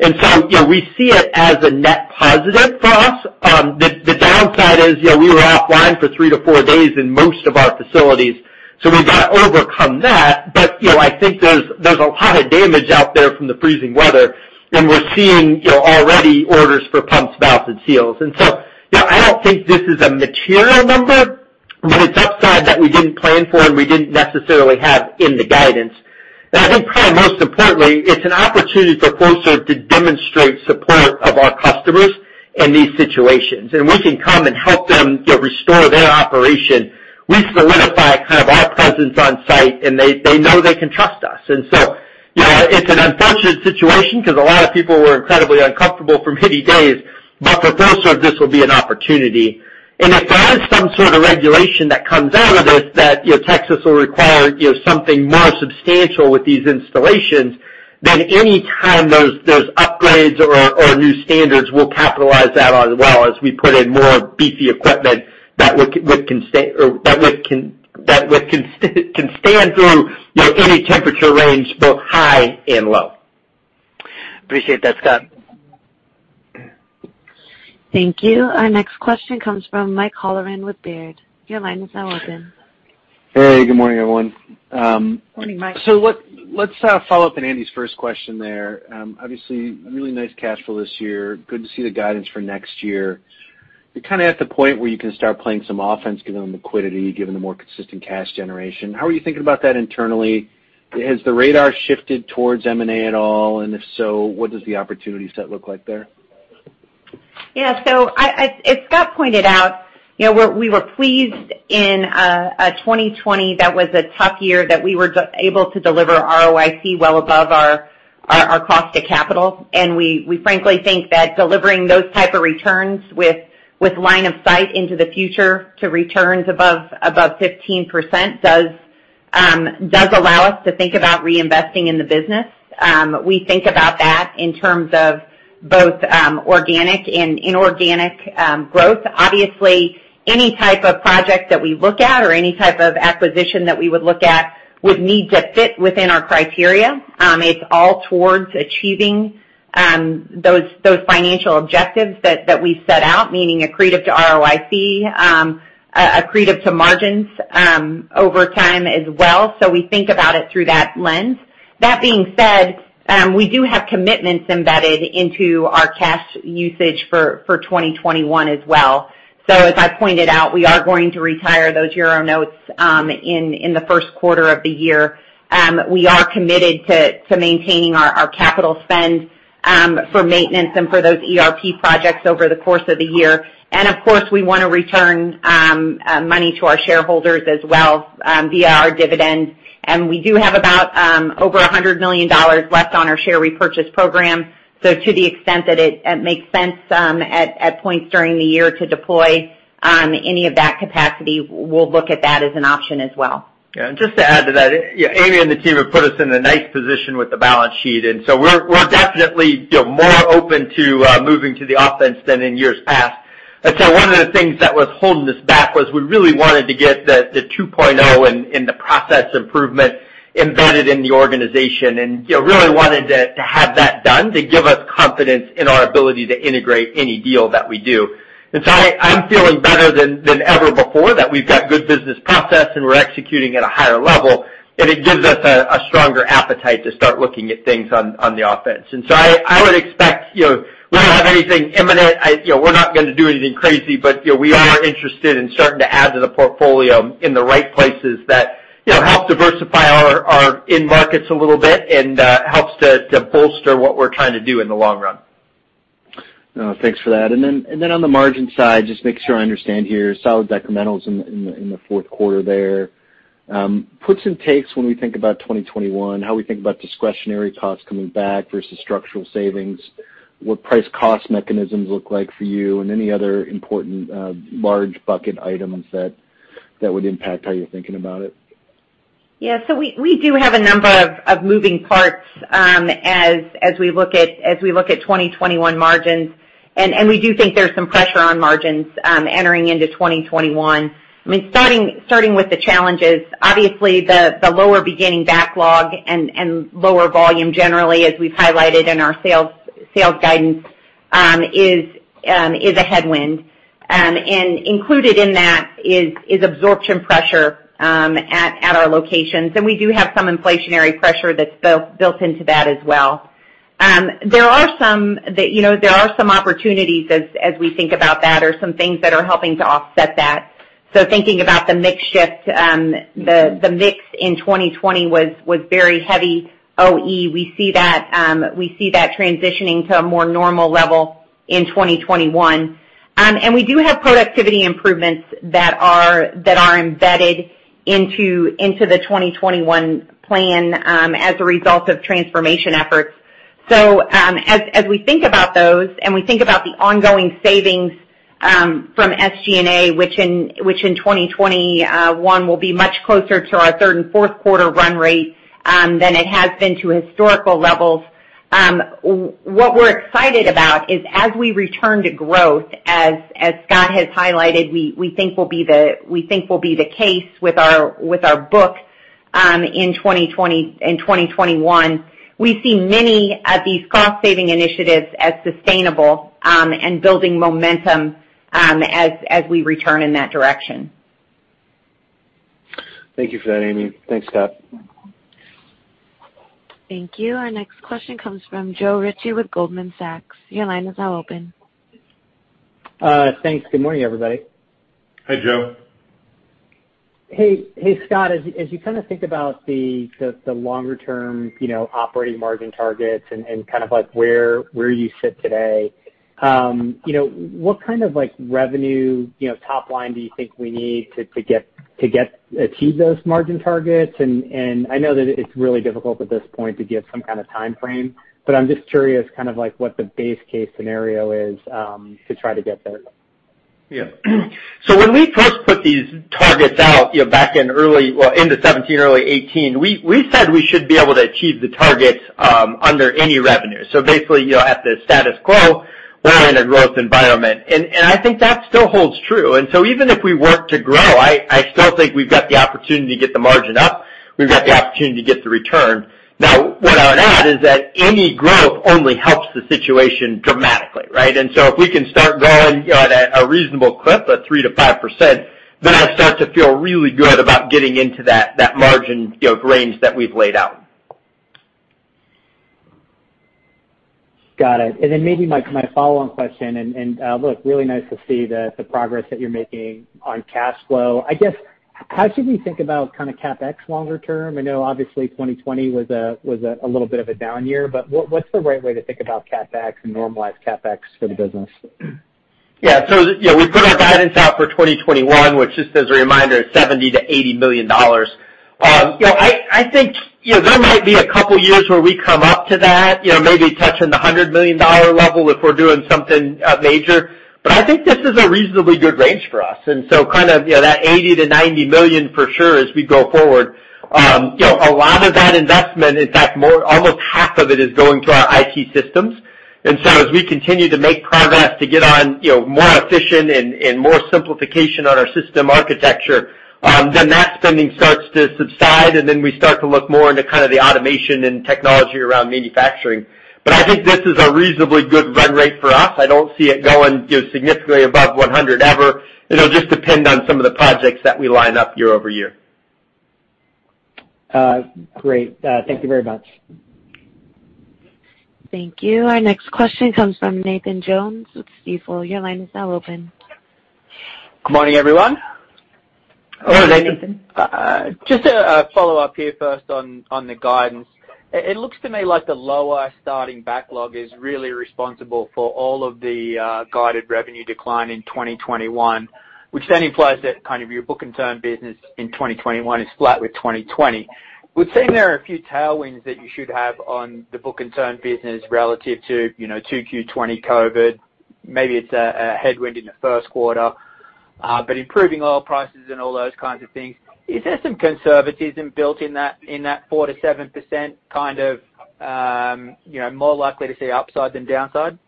We see it as a net positive for us. The downside is, we were offline for three to four days in most of our facilities, so we've got to overcome that. I think there's a lot of damage out there from the freezing weather. We're seeing already orders for pumps, valves, and seals. I don't think this is a material number, but it's upside that we didn't plan for and we didn't necessarily have in the guidance. I think probably most importantly, it's an opportunity for Flowserve to demonstrate support of our customers in these situations. We can come and help them restore their operation, we solidify kind of our presence on site, and they know they can trust us. It's an unfortunate situation because a lot of people were incredibly uncomfortable for many days. For Flowserve, this will be an opportunity. If there is some sort of regulation that comes out of this that Texas will require something more substantial with these installations, then any time there's upgrades or new standards, we'll capitalize that as well as we put in more beefy equipment that can stand through any temperature range, both high and low. Appreciate that, Scott. Thank you. Our next question comes from Mike Halloran with Baird. Your line is now open. Hey, good morning, everyone. Morning, Mike. Let's follow up on Andy's first question there. Obviously, really nice cash flow this year. Good to see the guidance for next year. You're kind of at the point where you can start playing some offense given the liquidity, given the more consistent cash generation. How are you thinking about that internally? Has the radar shifted towards M&A at all? If so, what does the opportunity set look like there? Yeah. As Scott pointed out, we were pleased in 2020, that was a tough year that we were able to deliver ROIC well above our cost of capital. We frankly think that delivering those type of returns with line of sight into the future to returns above 15% does allow us to think about reinvesting in the business. We think about that in terms of both organic and inorganic growth. Obviously, any type of project that we look at or any type of acquisition that we would look at would need to fit within our criteria. It's all towards achieving those financial objectives that we've set out, meaning accretive to ROIC, accretive to margins over time as well, we think about it through that lens. That being said, we do have commitments embedded into our cash usage for 2021 as well. As I pointed out, we are going to retire those euro notes in the first quarter of the year. We are committed to maintaining our capital spend for maintenance and for those ERP projects over the course of the year. Of course, we want to return money to our shareholders as well via our dividends. We do have about over $100 million left on our share repurchase program to the extent that it makes sense at points during the year to deploy any of that capacity, we'll look at that as an option as well. Yeah, just to add to that, Amy and the team have put us in a nice position with the balance sheet, and so we're definitely more open to moving to the offense than in years past. I'd say one of the things that was holding us back was we really wanted to get the 2.0 and the process improvement embedded in the organization and really wanted to have that done to give us confidence in our ability to integrate any deal that we do. I'm feeling better than ever before that we've got good business process and we're executing at a higher level, and it gives us a stronger appetite to start looking at things on the offense. I would expect, we don't have anything imminent. We're not going to do anything crazy, but we are interested in starting to add to the portfolio in the right places that help diversify our end markets a little bit and helps to bolster what we're trying to do in the long run. Thanks for that. On the margin side, just make sure I understand here, solid decrementals in the fourth quarter there. Puts and takes when we think about 2021, how we think about discretionary costs coming back versus structural savings, what price cost mechanisms look like for you and any other important large bucket items that would impact how you're thinking about it. Yeah. We do have a number of moving parts as we look at 2021 margins. We do think there's some pressure on margins entering into 2021. Starting with the challenges, obviously the lower beginning backlog and lower volume generally, as we've highlighted in our sales guidance, is a headwind, included in that is absorption pressure at our locations. We do have some inflationary pressure that's built into that as well. There are some opportunities as we think about that or some things that are helping to offset that. Thinking about the mix shift, the mix in 2020 was very heavy OE, we see that transitioning to a more normal level in 2021. We do have productivity improvements that are embedded into the 2021 plan as a result of transformation efforts. As we think about those, and we think about the ongoing savings from SG&A, which in 2021 will be much closer to our third and fourth quarter run rate than it has been to historical levels. What we're excited about is as we return to growth, as Scott has highlighted, we think will be the case with our book in 2021. We see many of these cost-saving initiatives as sustainable and building momentum as we return in that direction. Thank you for that, Amy. Thanks, Scott. Thank you. Our next question comes from Joe Ritchie with Goldman Sachs. Your line is now open. Thanks. Good morning, everybody. Hi, Joe. Hey. Hey, Scott. As you think about the longer-term operating margin targets and where you sit today, what kind of revenue top line do you think we need to achieve those margin targets? I know that it's really difficult at this point to give some kind of timeframe, but I'm just curious what the base case scenario is to try to get there. Yeah. When we first put these targets out back in early end of 2017, early 2018, we said we should be able to achieve the targets under any revenue. Basically, at the status quo or in a growth environment, I think that still holds true. Even if we were to grow, I still think we've got the opportunity to get the margin up. We've got the opportunity to get the return. Now, what I'd add is that any growth only helps the situation dramatically, right? If we can start growing on a reasonable clip, a 3%-5%, then I'd start to feel really good about getting into that margin range that we've laid out. Got it. Maybe my follow-on question, look, really nice to see the progress that you're making on cash flow. I guess, how should we think about CapEx longer term? I know obviously 2020 was a little bit of a down year, what's the right way to think about CapEx and normalized CapEx for the business? Yeah. We put our guidance out for 2021, which just as a reminder, is $70 million-$80 million. I think there might be a couple of years where we come up to that, maybe touching the $100 million level if we're doing something major. I think this is a reasonably good range for us, and so kind of that $80 million-$90 million for sure as we go forward. A lot of that investment, in fact, almost half of it is going to our IT systems. As we continue to make progress to get on more efficient and more simplification on our system architecture, then that spending starts to subside, and then we start to look more into the automation and technology around manufacturing. I think this is a reasonably good run rate for us, I don't see it going significantly above $100 million ever. It'll just depend on some of the projects that we line up year-over-year. Great. Thank you very much. Thank you. Our next question comes from Nathan Jones with Stifel. Your line is now open. Good morning, everyone. Hello, Nathan. Just a follow-up here first on the guidance. It looks to me like the lower starting backlog is really responsible for all of the guided revenue decline in 2021, which then implies that your book-and-turn business in 2021 is flat with 2020. Would say there are a few tailwinds that you should have on the book-and-turn business relative to 2Q 2020 COVID-19. Maybe it's a headwind in the first quarter, but improving oil prices and all those kinds of things. Is there some conservatism built in that 4%-7% kind of more likely to see upside than downside?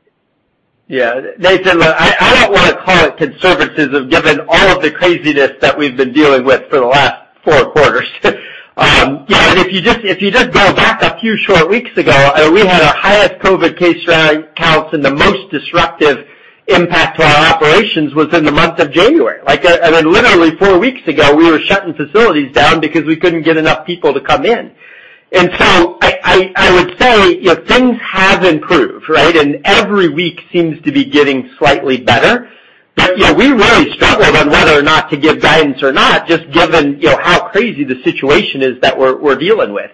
Yeah. Nathan, look, I don't want to call it conservatism given all of the craziness that we've been dealing with for the last four quarters. If you just go back a few short weeks ago, we had our highest COVID case counts and the most disruptive impact to our operations was in the month of January. Like, literally four weeks ago, we were shutting facilities down because we couldn't get enough people to come in. I would say things have improved, right? Every week seems to be getting slightly better. We really struggled on whether or not to give guidance or not, just given how crazy the situation is that we're dealing with.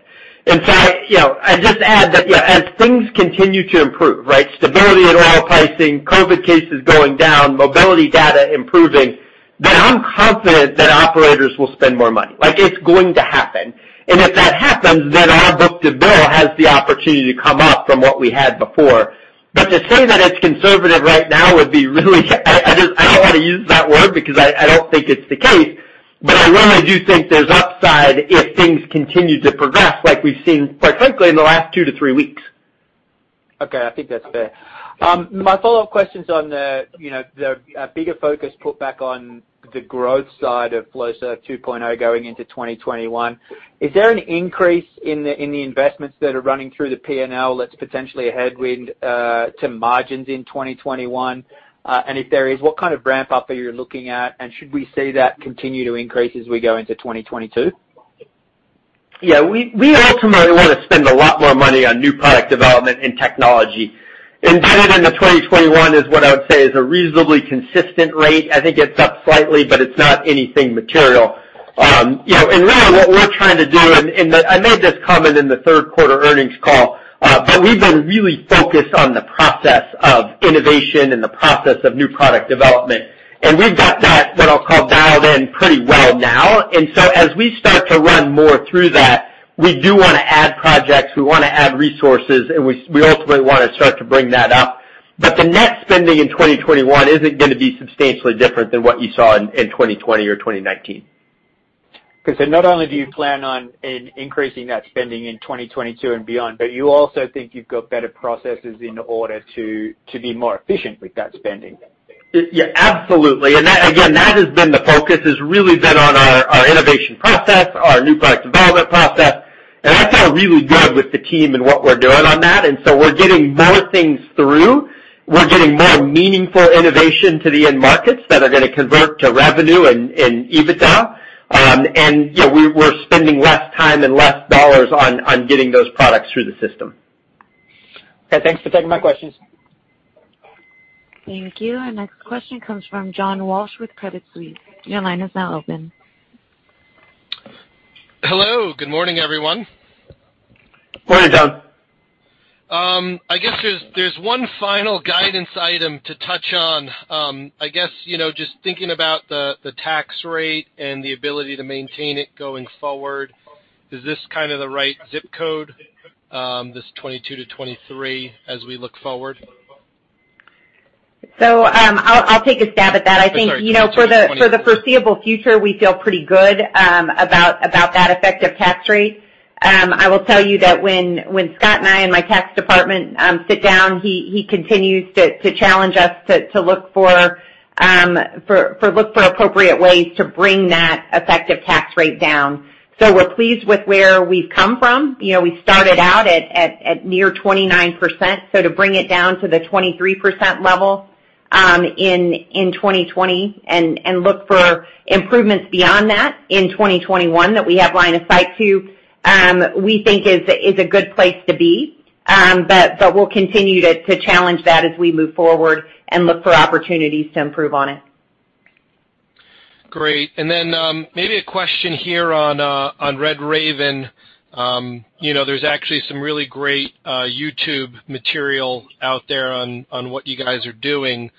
I'd just add that as things continue to improve, right? Stability in oil pricing, COVID cases going down, mobility data improving, then I'm confident that operators will spend more money. Like, it's going to happen. If that happens, then our book-to-bill has the opportunity to come up from what we had before. To say that it's conservative right now would be really I don't want to use that word because I don't think it's the case, but I really do think there's upside if things continue to progress like we've seen, quite frankly, in the last two to three weeks. Okay. I think that's fair. My follow-up question's on the bigger focus put back on the growth side of Flowserve 2.0 going into 2021. Is there an increase in the investments that are running through the P&L that's potentially a headwind to margins in 2021? If there is, what kind of ramp-up are you looking at, and should we see that continue to increase as we go into 2022? Yeah. We ultimately want to spend a lot more money on new product development and technology. Embedded into 2021 is what I would say is a reasonably consistent rate, I think it's up slightly, but it's not anything material. Really what we're trying to do, and I made this comment in the third quarter earnings call, but we've been really focused on the process of innovation and the process of new product development, we've got that, what I'll call, dialed in pretty well now. As we start to run more through that, we do want to add projects, we want to add resources, and we ultimately want to start to bring that up. The net spending in 2021 isn't going to be substantially different than what you saw in 2020 or 2019. Okay. Not only do you plan on increasing that spending in 2022 and beyond, but you also think you've got better processes in order to be more efficient with that spending? Yeah, absolutely. Again, that has been the focus, has really been on our innovation process, our new product development process. I felt really good with the team and what we're doing on that, we're getting more things through, we're getting more meaningful innovation to the end markets that are going to convert to revenue and EBITDA, and we're spending less time and less dollars on getting those products through the system. Okay, thanks for taking my questions. Thank you. Our next question comes from John Walsh with Credit Suisse. Hello. Good morning, everyone. Morning, John. There's one final guidance item to touch on. Just thinking about the tax rate and the ability to maintain it going forward, is this kind of the right zip code, this 2022-2023, as we look forward? I'll take a stab at that. Oh, sorry 2022, 2023. I think for the foreseeable future, we feel pretty good about that effective tax rate. I will tell you that when Scott and I and my tax department sit down, he continues to challenge us to look for appropriate ways to bring that effective tax rate down. We're pleased with where we've come from, we started out at near 29%, to bring it down to the 23% level in 2020 and look for improvements beyond that in 2021, that we have line of sight to. We think is a good place to be, we'll continue to challenge that as we move forward and look for opportunities to improve on it. Great. Maybe a question here on RedRaven. There's actually some really great YouTube material out there on what you guys are doing.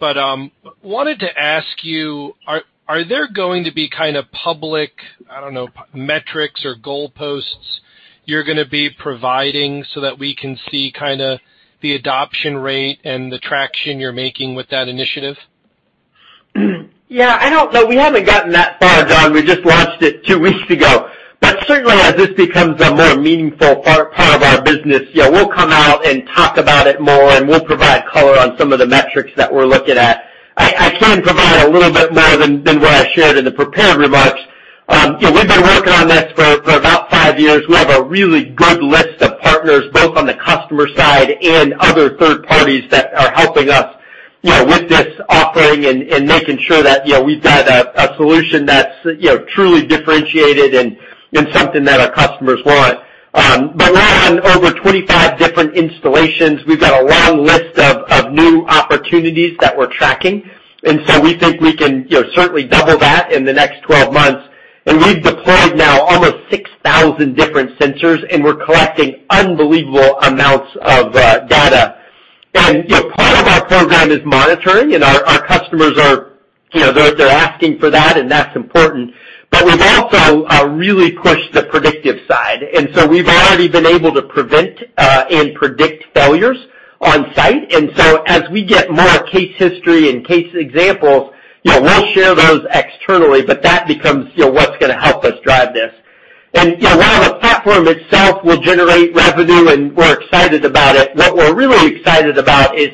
Wanted to ask you, are there going to be kind of public, I don't know, metrics or goalposts you're going to be providing so that we can see kind of the adoption rate and the traction you're making with that initiative? I don't know, we haven't gotten that far, John. We just launched it two weeks ago. Certainly as this becomes a more meaningful part of our business, we'll come out and talk about it more, and we'll provide color on some of the metrics that we're looking at. I can provide a little bit more than what I shared in the prepared remarks. We've been working on this for about five years. We have a really good list of partners, both on the customer side and other third parties that are helping us with this offering and making sure that we've got a solution that's truly differentiated and something that our customers want. We're on over 25 different installations, we've got a long list of new opportunities that we're tracking, we think we can certainly double that in the next 12 months. We've deployed now almost 6,000 different sensors, and we're collecting unbelievable amounts of data. Part of our program is monitoring, and our customers are asking for that, and that's important. We've also really pushed the predictive side, we've already been able to prevent and predict failures on site. As we get more case history and case examples, we'll share those externally, but that becomes what's going to help us drive this. While the platform itself will generate revenue, and we're excited about it, what we're really excited about is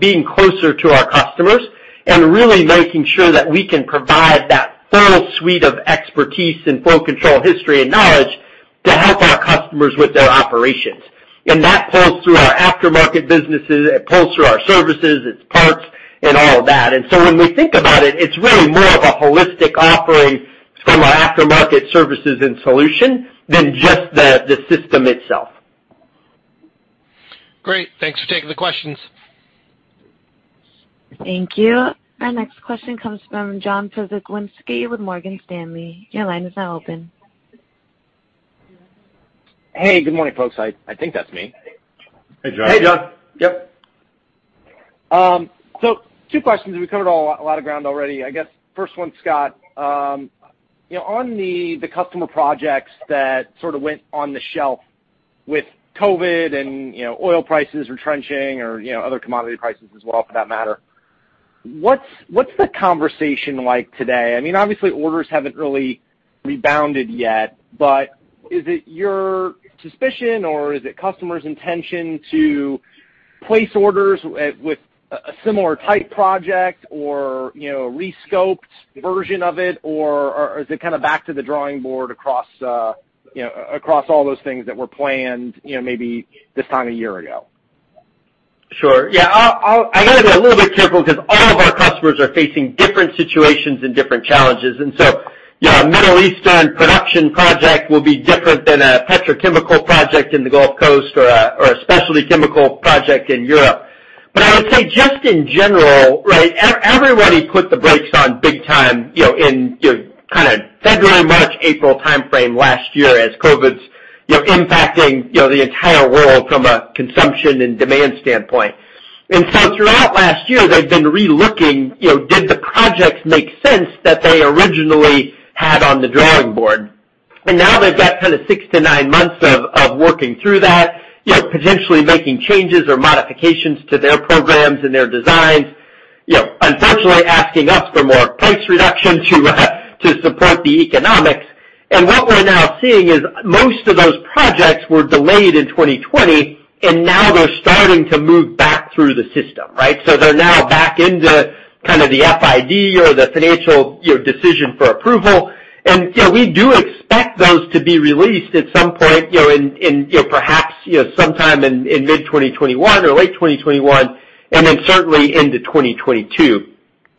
being closer to our customers and really making sure that we can provide that full suite of expertise and full control history and knowledge to help our customers with their operations. That pulls through our aftermarket businesses, it pulls through our services, its parts and all of that. When we think about it's really more of a holistic offering from our aftermarket services and solution than just the system itself. Great. Thanks for taking the questions. Thank you. Our next question comes from John Jezowski with Morgan Stanley. Your line is now open. Hey, good morning, folks. I think that's me. Hey, John. Hey, John. Yep. Two questions. We've covered a lot of ground already, I guess first one, Scott. On the customer projects that sort of went on the shelf with COVID-19 and oil prices retrenching or other commodity prices as well for that matter, what's the conversation like today? I mean, obviously orders haven't really rebounded yet, but is it your suspicion or is it customers' intention to place orders with a similar type project or a re-scoped version of it, or is it kind of back to the drawing board across all those things that were planned maybe this time a year ago? Sure. Yeah, I got to be a little bit careful because all of our customers are facing different situations and different challenges. A Middle Eastern production project will be different than a petrochemical project in the Gulf Coast or a specialty chemical project in Europe. I would say just in general, right, everybody put the brakes on big time in kind of February, March, April timeframe last year as COVID's impacting the entire world from a consumption and demand standpoint. Throughout last year, they've been relooking, did the projects make sense that they originally had on the drawing board. Now they've got six to nine months of working through that, potentially making changes or modifications to their programs and their designs, unfortunately asking us for more price reductions to support the economics. What we're now seeing is most of those projects were delayed in 2020, and now they're starting to move back through the system. Right? They're now back into the FID or the financial decision for approval. We do expect those to be released at some point, perhaps sometime in mid-2021 or late 2021, and then certainly into 2022.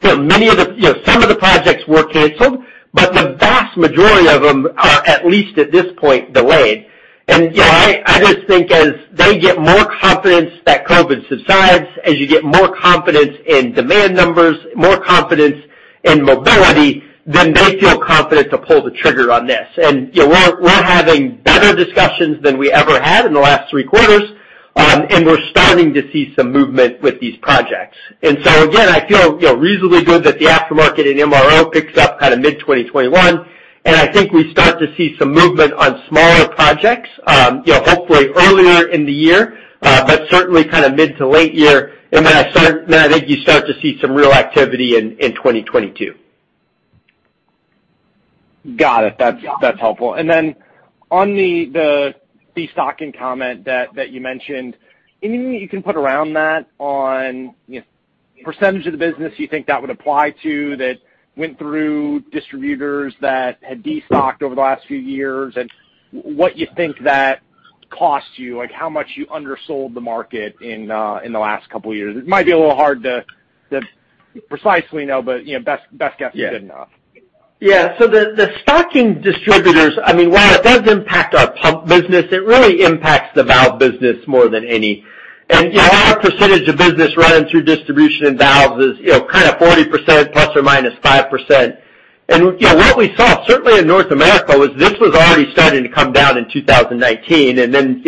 Some of the projects were canceled, but the vast majority of them are, at least at this point, delayed. I just think as they get more confidence that COVID subsides, as you get more confidence in demand numbers, more confidence in mobility, then they feel confident to pull the trigger on this. We're having better discussions than we ever had in the last three quarters, and we're starting to see some movement with these projects. Again, I feel reasonably good that the aftermarket and MRO picks up mid-2021, and I think we start to see some movement on smaller projects, hopefully earlier in the year, but certainly mid to late year. Then I think you start to see some real activity in 2022. Got it, that's helpful. On the de-stocking comment that you mentioned, anything that you can put around that on percentage of the business you think that would apply to that went through distributors that had de-stocked over the last few years? What you think that cost you, like how much you undersold the market in the last couple of years? It might be a little hard to precisely know, best guess is good enough. Yeah. The stocking distributors, while it does impact our pump business, it really impacts the valve business more than any. Our percentage of business running through distribution and valves is 40%, ±5%. What we saw, certainly in North America, was this was already starting to come down in 2019,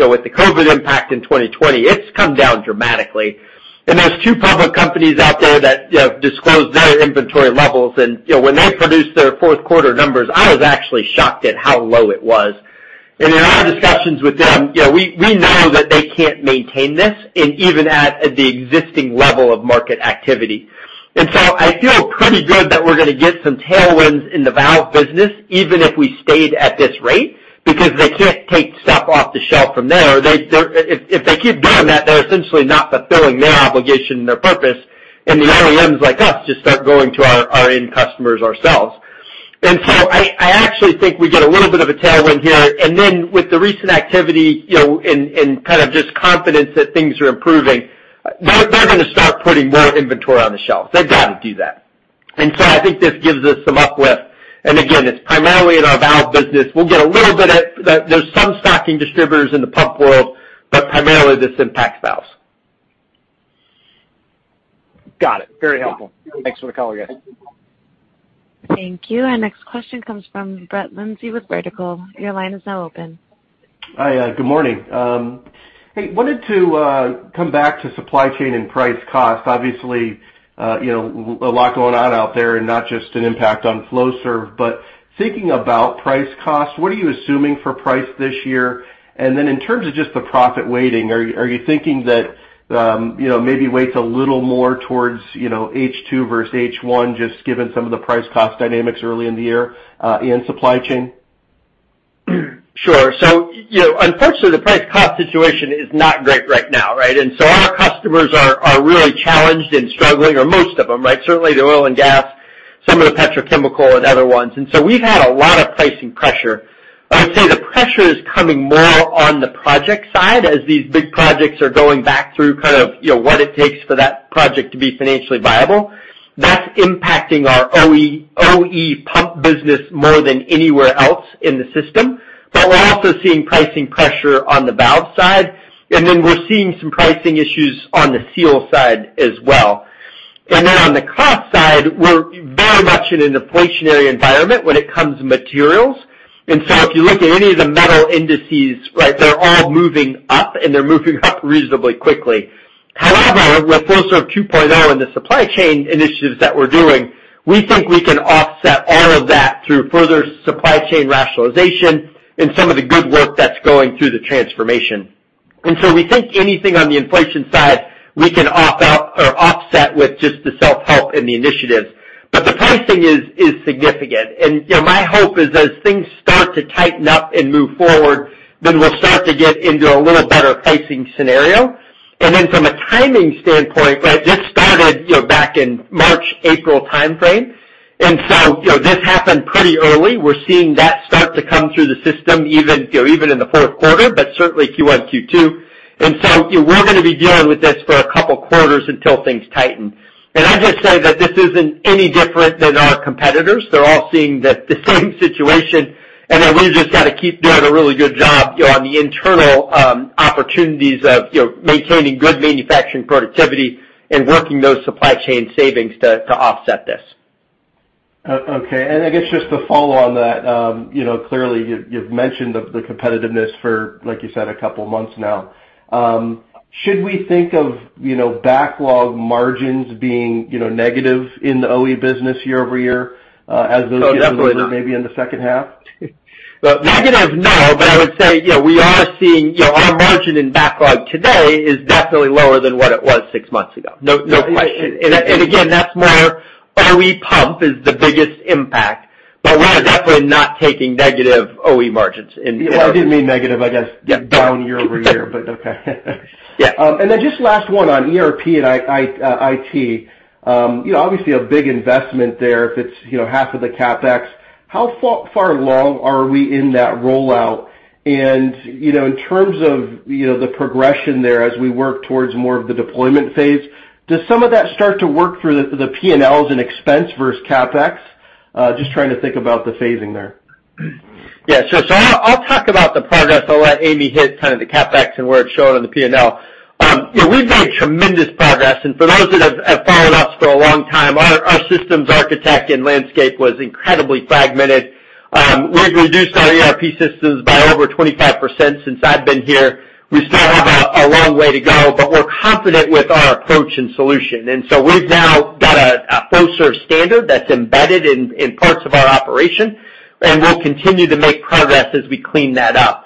with the COVID impact in 2020, it's come down dramatically. There's two public companies out there that disclose their inventory levels, when they produced their fourth quarter numbers, I was actually shocked at how low it was. In our discussions with them, we know that they can't maintain this, and even at the existing level of market activity. I feel pretty good that we're going to get some tailwinds in the valve business, even if we stayed at this rate, because they can't take stuff off the shelf from there. If they keep doing that, they're essentially not fulfilling their obligation and their purpose, and the OEMs like us just start going to our end customers ourselves. I actually think we get a little bit of a tailwind here. With the recent activity and just confidence that things are improving, they're going to start putting more inventory on the shelves, they've got to do that. I think this gives us some uplift. Again, it's primarily in our valve business. There's some stocking distributors in the pump world, but primarily this impacts valves. Got it. Very helpful. Thanks for the color, guys. Thank you. Our next question comes from Brett Linzey with Vertical. Your line is now open. Hi, good morning. Hey, wanted to come back to supply chain and price cost. Obviously, a lot going on out there and not just an impact on Flowserve, but thinking about price cost, what are you assuming for price this year? Then in terms of just the profit weighting, are you thinking that maybe weights a little more towards H2 versus H1, just given some of the price cost dynamics early in the year, and supply chain? Sure. Unfortunately, the price cost situation is not great right now. Right? Our customers are really challenged and struggling, or most of them. Certainly the oil and gas, some of the petrochemical and other ones. We've had a lot of pricing pressure, I would say the pressure is coming more on the project side as these big projects are going back through what it takes for that project to be financially viable. That's impacting our OE pump business more than anywhere else in the system. We're also seeing pricing pressure on the valve side, and then we're seeing some pricing issues on the seal side as well. On the cost side, we're very much in an inflationary environment when it comes to materials. If you look at any of the metal indices, they're all moving up, and they're moving up reasonably quickly. However, with Flowserve 2.0 and the supply chain initiatives that we're doing, we think we can offset all of that through further supply chain rationalization and some of the good work that's going through the transformation. We think anything on the inflation side, we can offset with just the self-help and the initiatives. The pricing is significant. My hope is as things start to tighten up and move forward, then we'll start to get into a little better pricing scenario. From a timing standpoint, this started back in March, April timeframe. This happened pretty early. We're seeing that start to come through the system even in the fourth quarter, but certainly Q1, Q2. We're going to be dealing with this for a couple of quarters until things tighten. I'd just say that this isn't any different than our competitors. They're all seeing the same situation, and that we've just got to keep doing a really good job on the internal opportunities of maintaining good manufacturing productivity and working those supply chain savings to offset this. Okay. I guess just to follow on that, clearly you've mentioned the competitiveness for, like you said, a couple of months now. Should we think of backlog margins being negative in the OE business year-over-year... Oh, definitely no. ...maybe in the second half? Negative, no. I would say, our margin in backlog today is definitely lower than what it was six months ago. No. Again, that's more OE pump is the biggest impact, but we are definitely not taking negative OE margins. Yeah. I didn't mean negative, I guess... Yeah. ...down year-over-year, but okay. Yeah. Just last one on ERP and IT. Obviously, a big investment there if it's half of the CapEx. How far along are we in that rollout? In terms of the progression there as we work towards more of the deployment phase, does some of that start to work through the P&Ls and expense versus CapEx? Just trying to think about the phasing there. Yeah, sure. I'll talk about the progress. I'll let Amy hit kind of the CapEx and where it's shown on the P&L. We've made tremendous progress, and for those that have followed us for a long time, our systems architect and landscape was incredibly fragmented. We've reduced our ERP systems by over 25% since I've been here. We still have a long way to go, but we're confident with our approach and solution. We've now got a Flowserve standard that's embedded in parts of our operation, and we'll continue to make progress as we clean that up.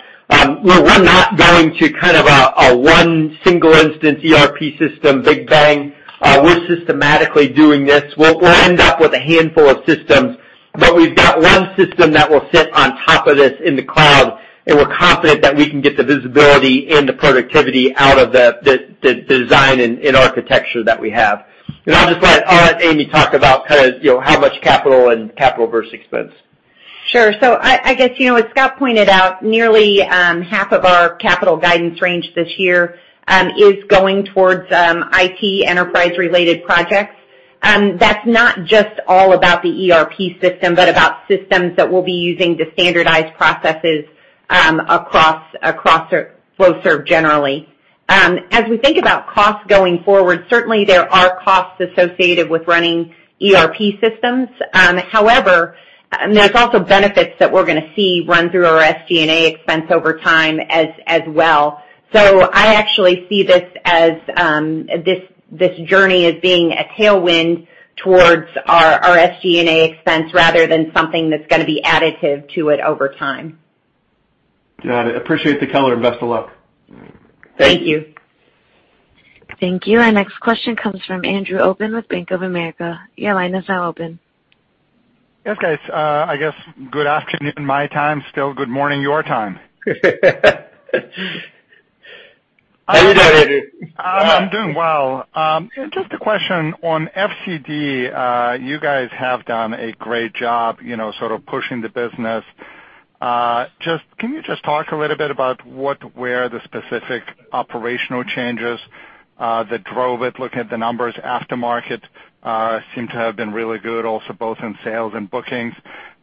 We're not going to kind of a one single instance ERP system, big bang. We're systematically doing this. We'll end up with a handful of systems, but we've got one system that will sit on top of this in the cloud, and we're confident that we can get the visibility and the productivity out of the design and architecture that we have. I'll just let Amy talk about how much capital and capital versus expense. Sure. I guess, as Scott pointed out, nearly half of our capital guidance range this year is going towards IT enterprise-related projects. That's not just all about the ERP system, but about systems that we'll be using to standardize processes across Flowserve generally. As we think about costs going forward, certainly there are costs associated with running ERP systems. However, there's also benefits that we're going to see run through our SG&A expense over time as well. I actually see this journey as being a tailwind towards our SG&A expense, rather than something that's going to be additive to it over time. Got it. Appreciate the color, and best of luck. Thank you. Thank you. Thank you. Our next question comes from Andrew Obin with Bank of America. Your line is now open. Yes, guys. I guess good afternoon my time, still good morning your time. How you doing, Andrew? I'm doing well. Just a question on FCD. You guys have done a great job sort of pushing the business. Can you just talk a little bit about where the specific operational changes that drove it, looking at the numbers after market, seem to have been really good also, both in sales and bookings.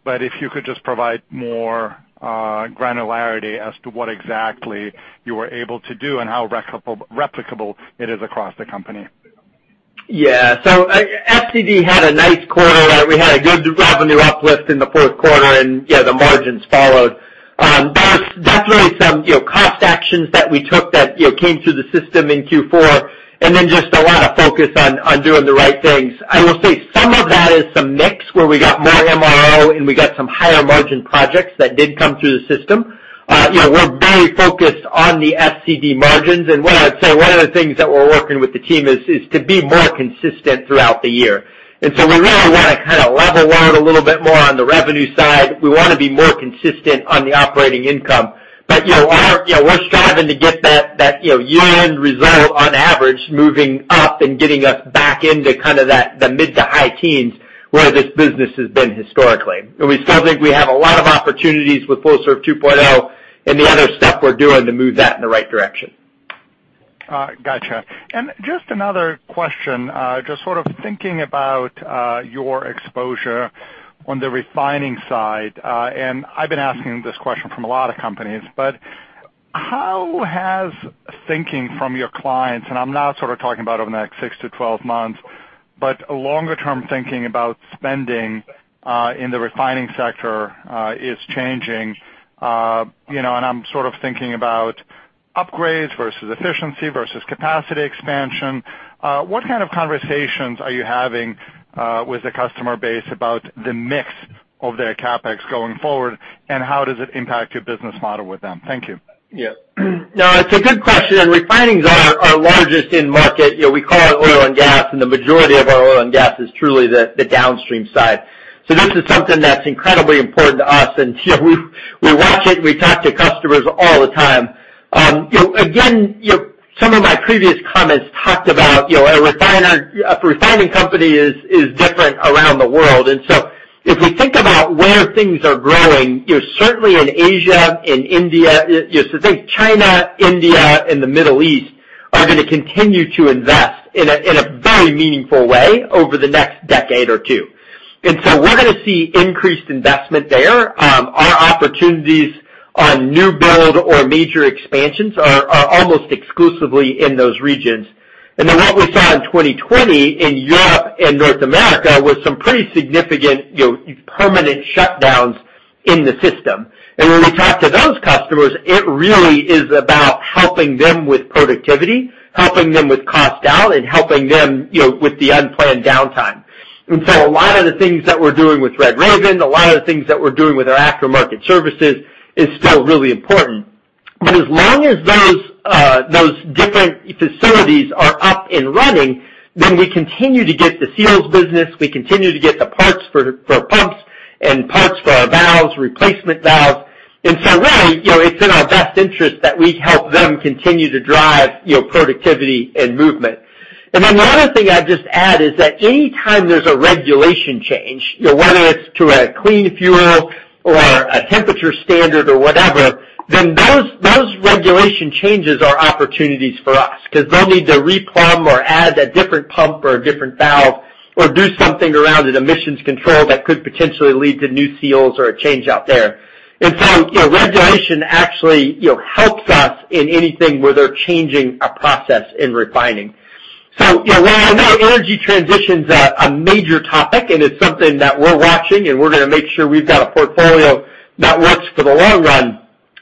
If you could just provide more granularity as to what exactly you were able to do and how replicable it is across the company. Yeah. FCD had a nice quarter. We had a good revenue uplift in the fourth quarter, and the margins followed. There was definitely some cost actions that we took that came through the system in Q4, and then just a lot of focus on doing the right things. I will say some of that is some mix where we got more MRO, and we got some higher margin projects that did come through the system. We're very focused on the FCD margins. I'd say one of the things that we're working with the team is to be more consistent throughout the year. We really want to kind of level out a little bit more on the revenue side. We want to be more consistent on the operating income. We're striving to get that year-end result on average, moving up and getting us back into kind of the mid to high teens where this business has been historically. We still think we have a lot of opportunities with Flowserve 2.0 and the other stuff we're doing to move that in the right direction. Got you. Just another question, just sort of thinking about your exposure on the refining side. I've been asking this question from a lot of companies, but how has thinking from your clients, and I'm now sort of talking about over the next 6-12 months, but longer term thinking about spending in the refining sector is changing. I'm sort of thinking about upgrades versus efficiency versus capacity expansion. What kind of conversations are you having with the customer base about the mix of their CapEx going forward, and how does it impact your business model with them? Thank you. No, it's a good question. Refining's our largest end market, we call it oil and gas, and the majority of our oil and gas is truly the downstream side. This is something that's incredibly important to us, and we watch it, and we talk to customers all the time. Again, some of my previous comments talked about a refining company is different around the world. If we think about where things are growing, certainly in Asia, in India. Think China, India, and the Middle East are going to continue to invest in a very meaningful way over the next decade or two. We're going to see increased investment there. Our opportunities on new build or major expansions are almost exclusively in those regions. What we saw in 2020 in Europe and North America was some pretty significant permanent shutdowns in the system. When we talk to those customers, it really is about helping them with productivity, helping them with cost down, and helping them with the unplanned downtime. A lot of the things that we're doing with RedRaven, a lot of the things that we're doing with our aftermarket services is still really important. As long as those different facilities are up and running, then we continue to get the seals business, we continue to get the parts for pumps and parts for our valves, replacement valves. Really, it's in our best interest that we help them continue to drive productivity and movement. The other thing I'd just add is that any time there's a regulation change, whether it's to a clean fuel or a temperature standard or whatever, then those regulation changes are opportunities for us. Because they'll need to replumb or add a different pump or a different valve or do something around an emissions control that could potentially lead to new seals or a change out there. Regulation actually helps us in anything where they're changing a process in refining. While I know energy transition's a major topic, and it's something that we're watching, and we're going to make sure we've got a portfolio that works for the long run,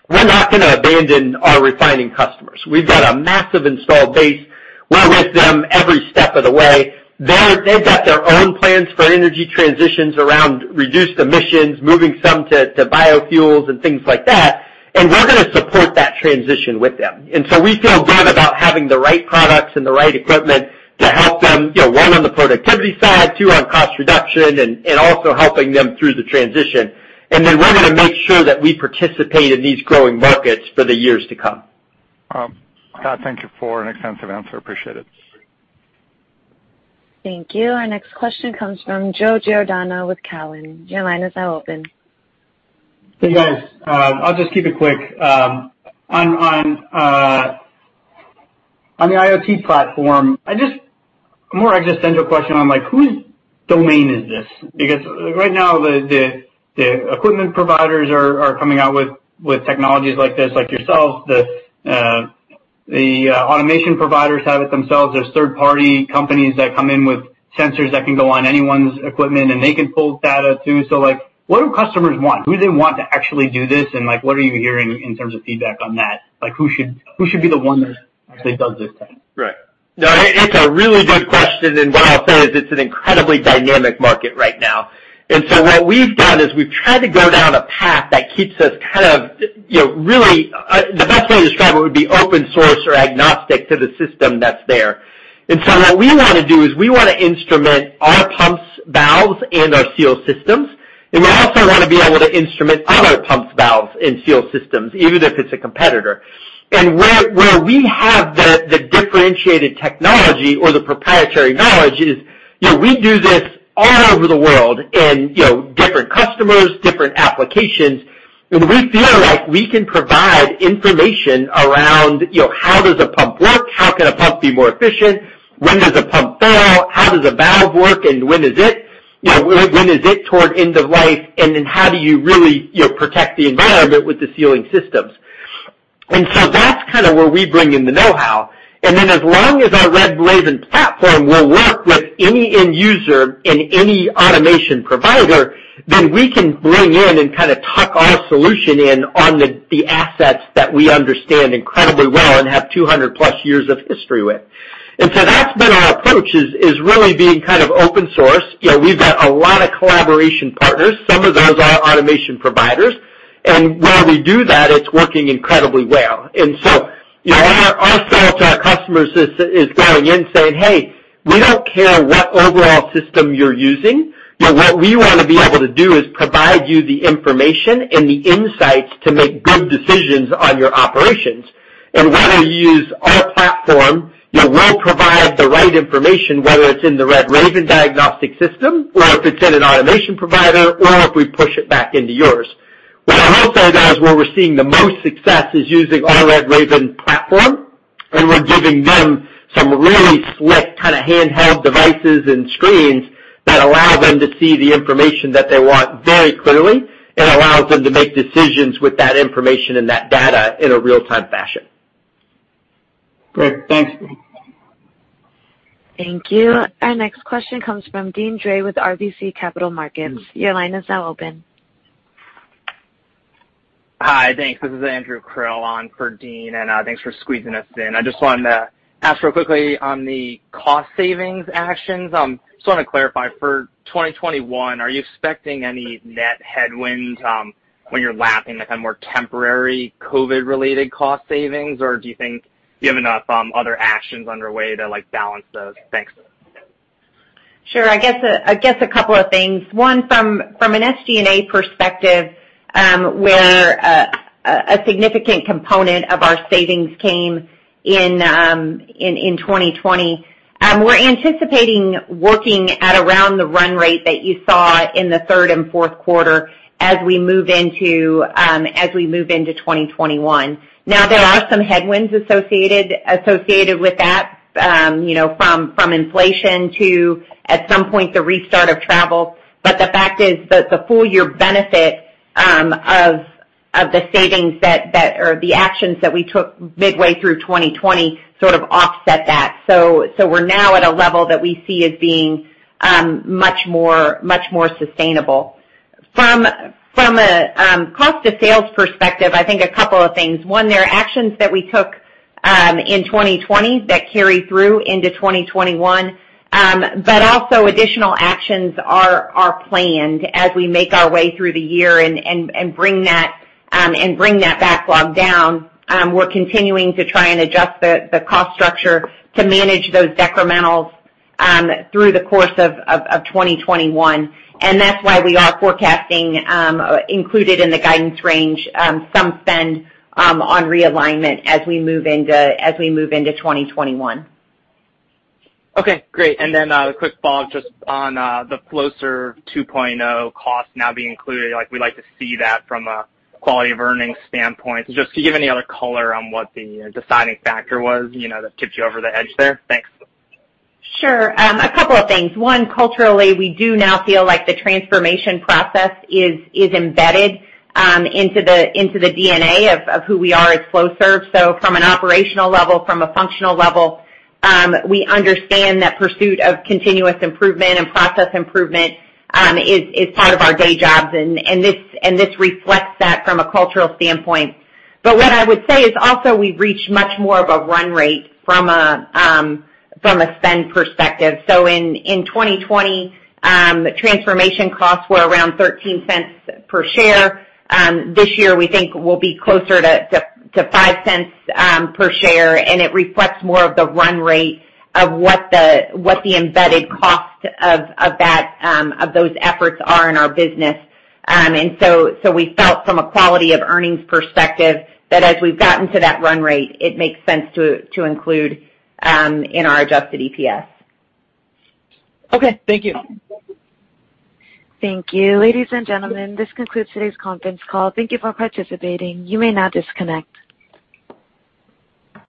we're not going to abandon our refining customers. We've got a massive installed base, we're with them every step of the way. They've got their own plans for energy transitions around reduced emissions, moving some to biofuels and things like that, and we're going to support that transition with them. We feel good about having the right products and the right equipment to help them, one; on the productivity side, two; on cost reduction and also helping them through the transition. We're going to make sure that we participate in these growing markets for the years to come. Scott, thank you for an extensive answer. Appreciate it. Thank you. Our next question comes from Joe Giordano with Cowen. Your line is now open. Hey, guys I'll just keep it quick. On the IoT platform, more existential question on whose domain is this? Right now, the equipment providers are coming out with technologies like this, like yourself, the automation providers have it themselves, there's third-party companies that come in with sensors that can go on anyone's equipment, and they can pull data too. What do customers want? Who do they want to actually do this, and what are you hearing in terms of feedback on that? Who should be the one that actually does this thing? Right. No, it's a really good question, and what I'll say is it's an incredibly dynamic market right now. What we've done is we've tried to go down a path that keeps us kind of, really, the best way to describe it would be open source or agnostic to the system that's there. What we want to do is we want to instrument our pumps, valves, and our seal systems. We also want to be able to instrument other pumps, valves, and seal systems, even if it's a competitor. Where we have the differentiated technology or the proprietary knowledge is, we do this all over the world in different customers, different applications, and we feel like we can provide information around how does a pump work? How can a pump be more efficient? When does a pump fail? How does a valve work, and when is it toward end of life? How do you really protect the environment with the sealing systems? That's kind of where we bring in the know-how. As long as our RedRaven platform will work with any end user and any automation provider, then we can bring in and kind of tuck our solution in on the assets that we understand incredibly well and have 200+ years of history with. That's been our approach, is really being kind of open source. We've got a lot of collaboration partners. Some of those are automation providers, where we do that, it's working incredibly well. Our sell to our customers is going in saying, "Hey, we don't care what overall system you're using. What we want to be able to do is provide you the information and the insights to make good decisions on your operations. Whether you use our platform, we'll provide the right information, whether it's in the RedRaven diagnostic system or if it's in an automation provider or if we push it back into yours. What I will say, though, is where we're seeing the most success is using our RedRaven platform, and we're giving them some really slick kind of handheld devices and screens that allow them to see the information that they want very clearly and allows them to make decisions with that information and that data in a real-time fashion. Great, thanks. Thank you. Our next question comes from Deane Dray with RBC Capital Markets. Your line is now open. Hi, thanks. This is Andrew Krill on for Deane, thanks for squeezing us in. I just wanted to ask real quickly on the cost savings actions. Just want to clarify, for 2021, are you expecting any net headwinds when you're lapping the kind of more temporary COVID-related cost savings, or do you think you have enough other actions underway to balance those? Thanks. Sure, I guess a couple of things. One, from an SG&A perspective, where a significant component of our savings came in 2020, we're anticipating working at around the run rate that you saw in the third and fourth quarter as we move into 2021. There are some headwinds associated with that from inflation to, at some point, the restart of travel. The fact is that the full year benefit of the savings or the actions that we took midway through 2020 sort of offset that. We're now at a level that we see as being much more sustainable. From a cost to sales perspective, I think a couple of things. One, there are actions that we took in 2020 that carry through into 2021. Also additional actions are planned as we make our way through the year and bring that backlog down. We're continuing to try and adjust the cost structure to manage those decrementals through the course of 2021. That's why we are forecasting, included in the guidance range, some spend on realignment as we move into 2021. Okay, great. A quick follow-up just on the Flowserve 2.0 cost now being included. We like to see that from a quality of earnings standpoint. Just do you have any other color on what the deciding factor was that tipped you over the edge there? Thanks. Sure, a couple of things. One, culturally, we do now feel like the transformation process is embedded into the DNA of who we are at Flowserve. From an operational level, from a functional level, we understand that pursuit of continuous improvement and process improvement is part of our day jobs. This reflects that from a cultural standpoint. What I would say is also we've reached much more of a run rate from a spend perspective. In 2020, transformation costs were around $0.13 per share. This year, we think we'll be closer to $0.05 per share, and it reflects more of the run rate of what the embedded cost of those efforts are in our business. We felt from a quality of earnings perspective, that as we've gotten to that run rate, it makes sense to include in our adjusted EPS. Okay, thank you. Thank you. Ladies and gentlemen, this concludes today's conference call. Thank you for participating. You may now disconnect.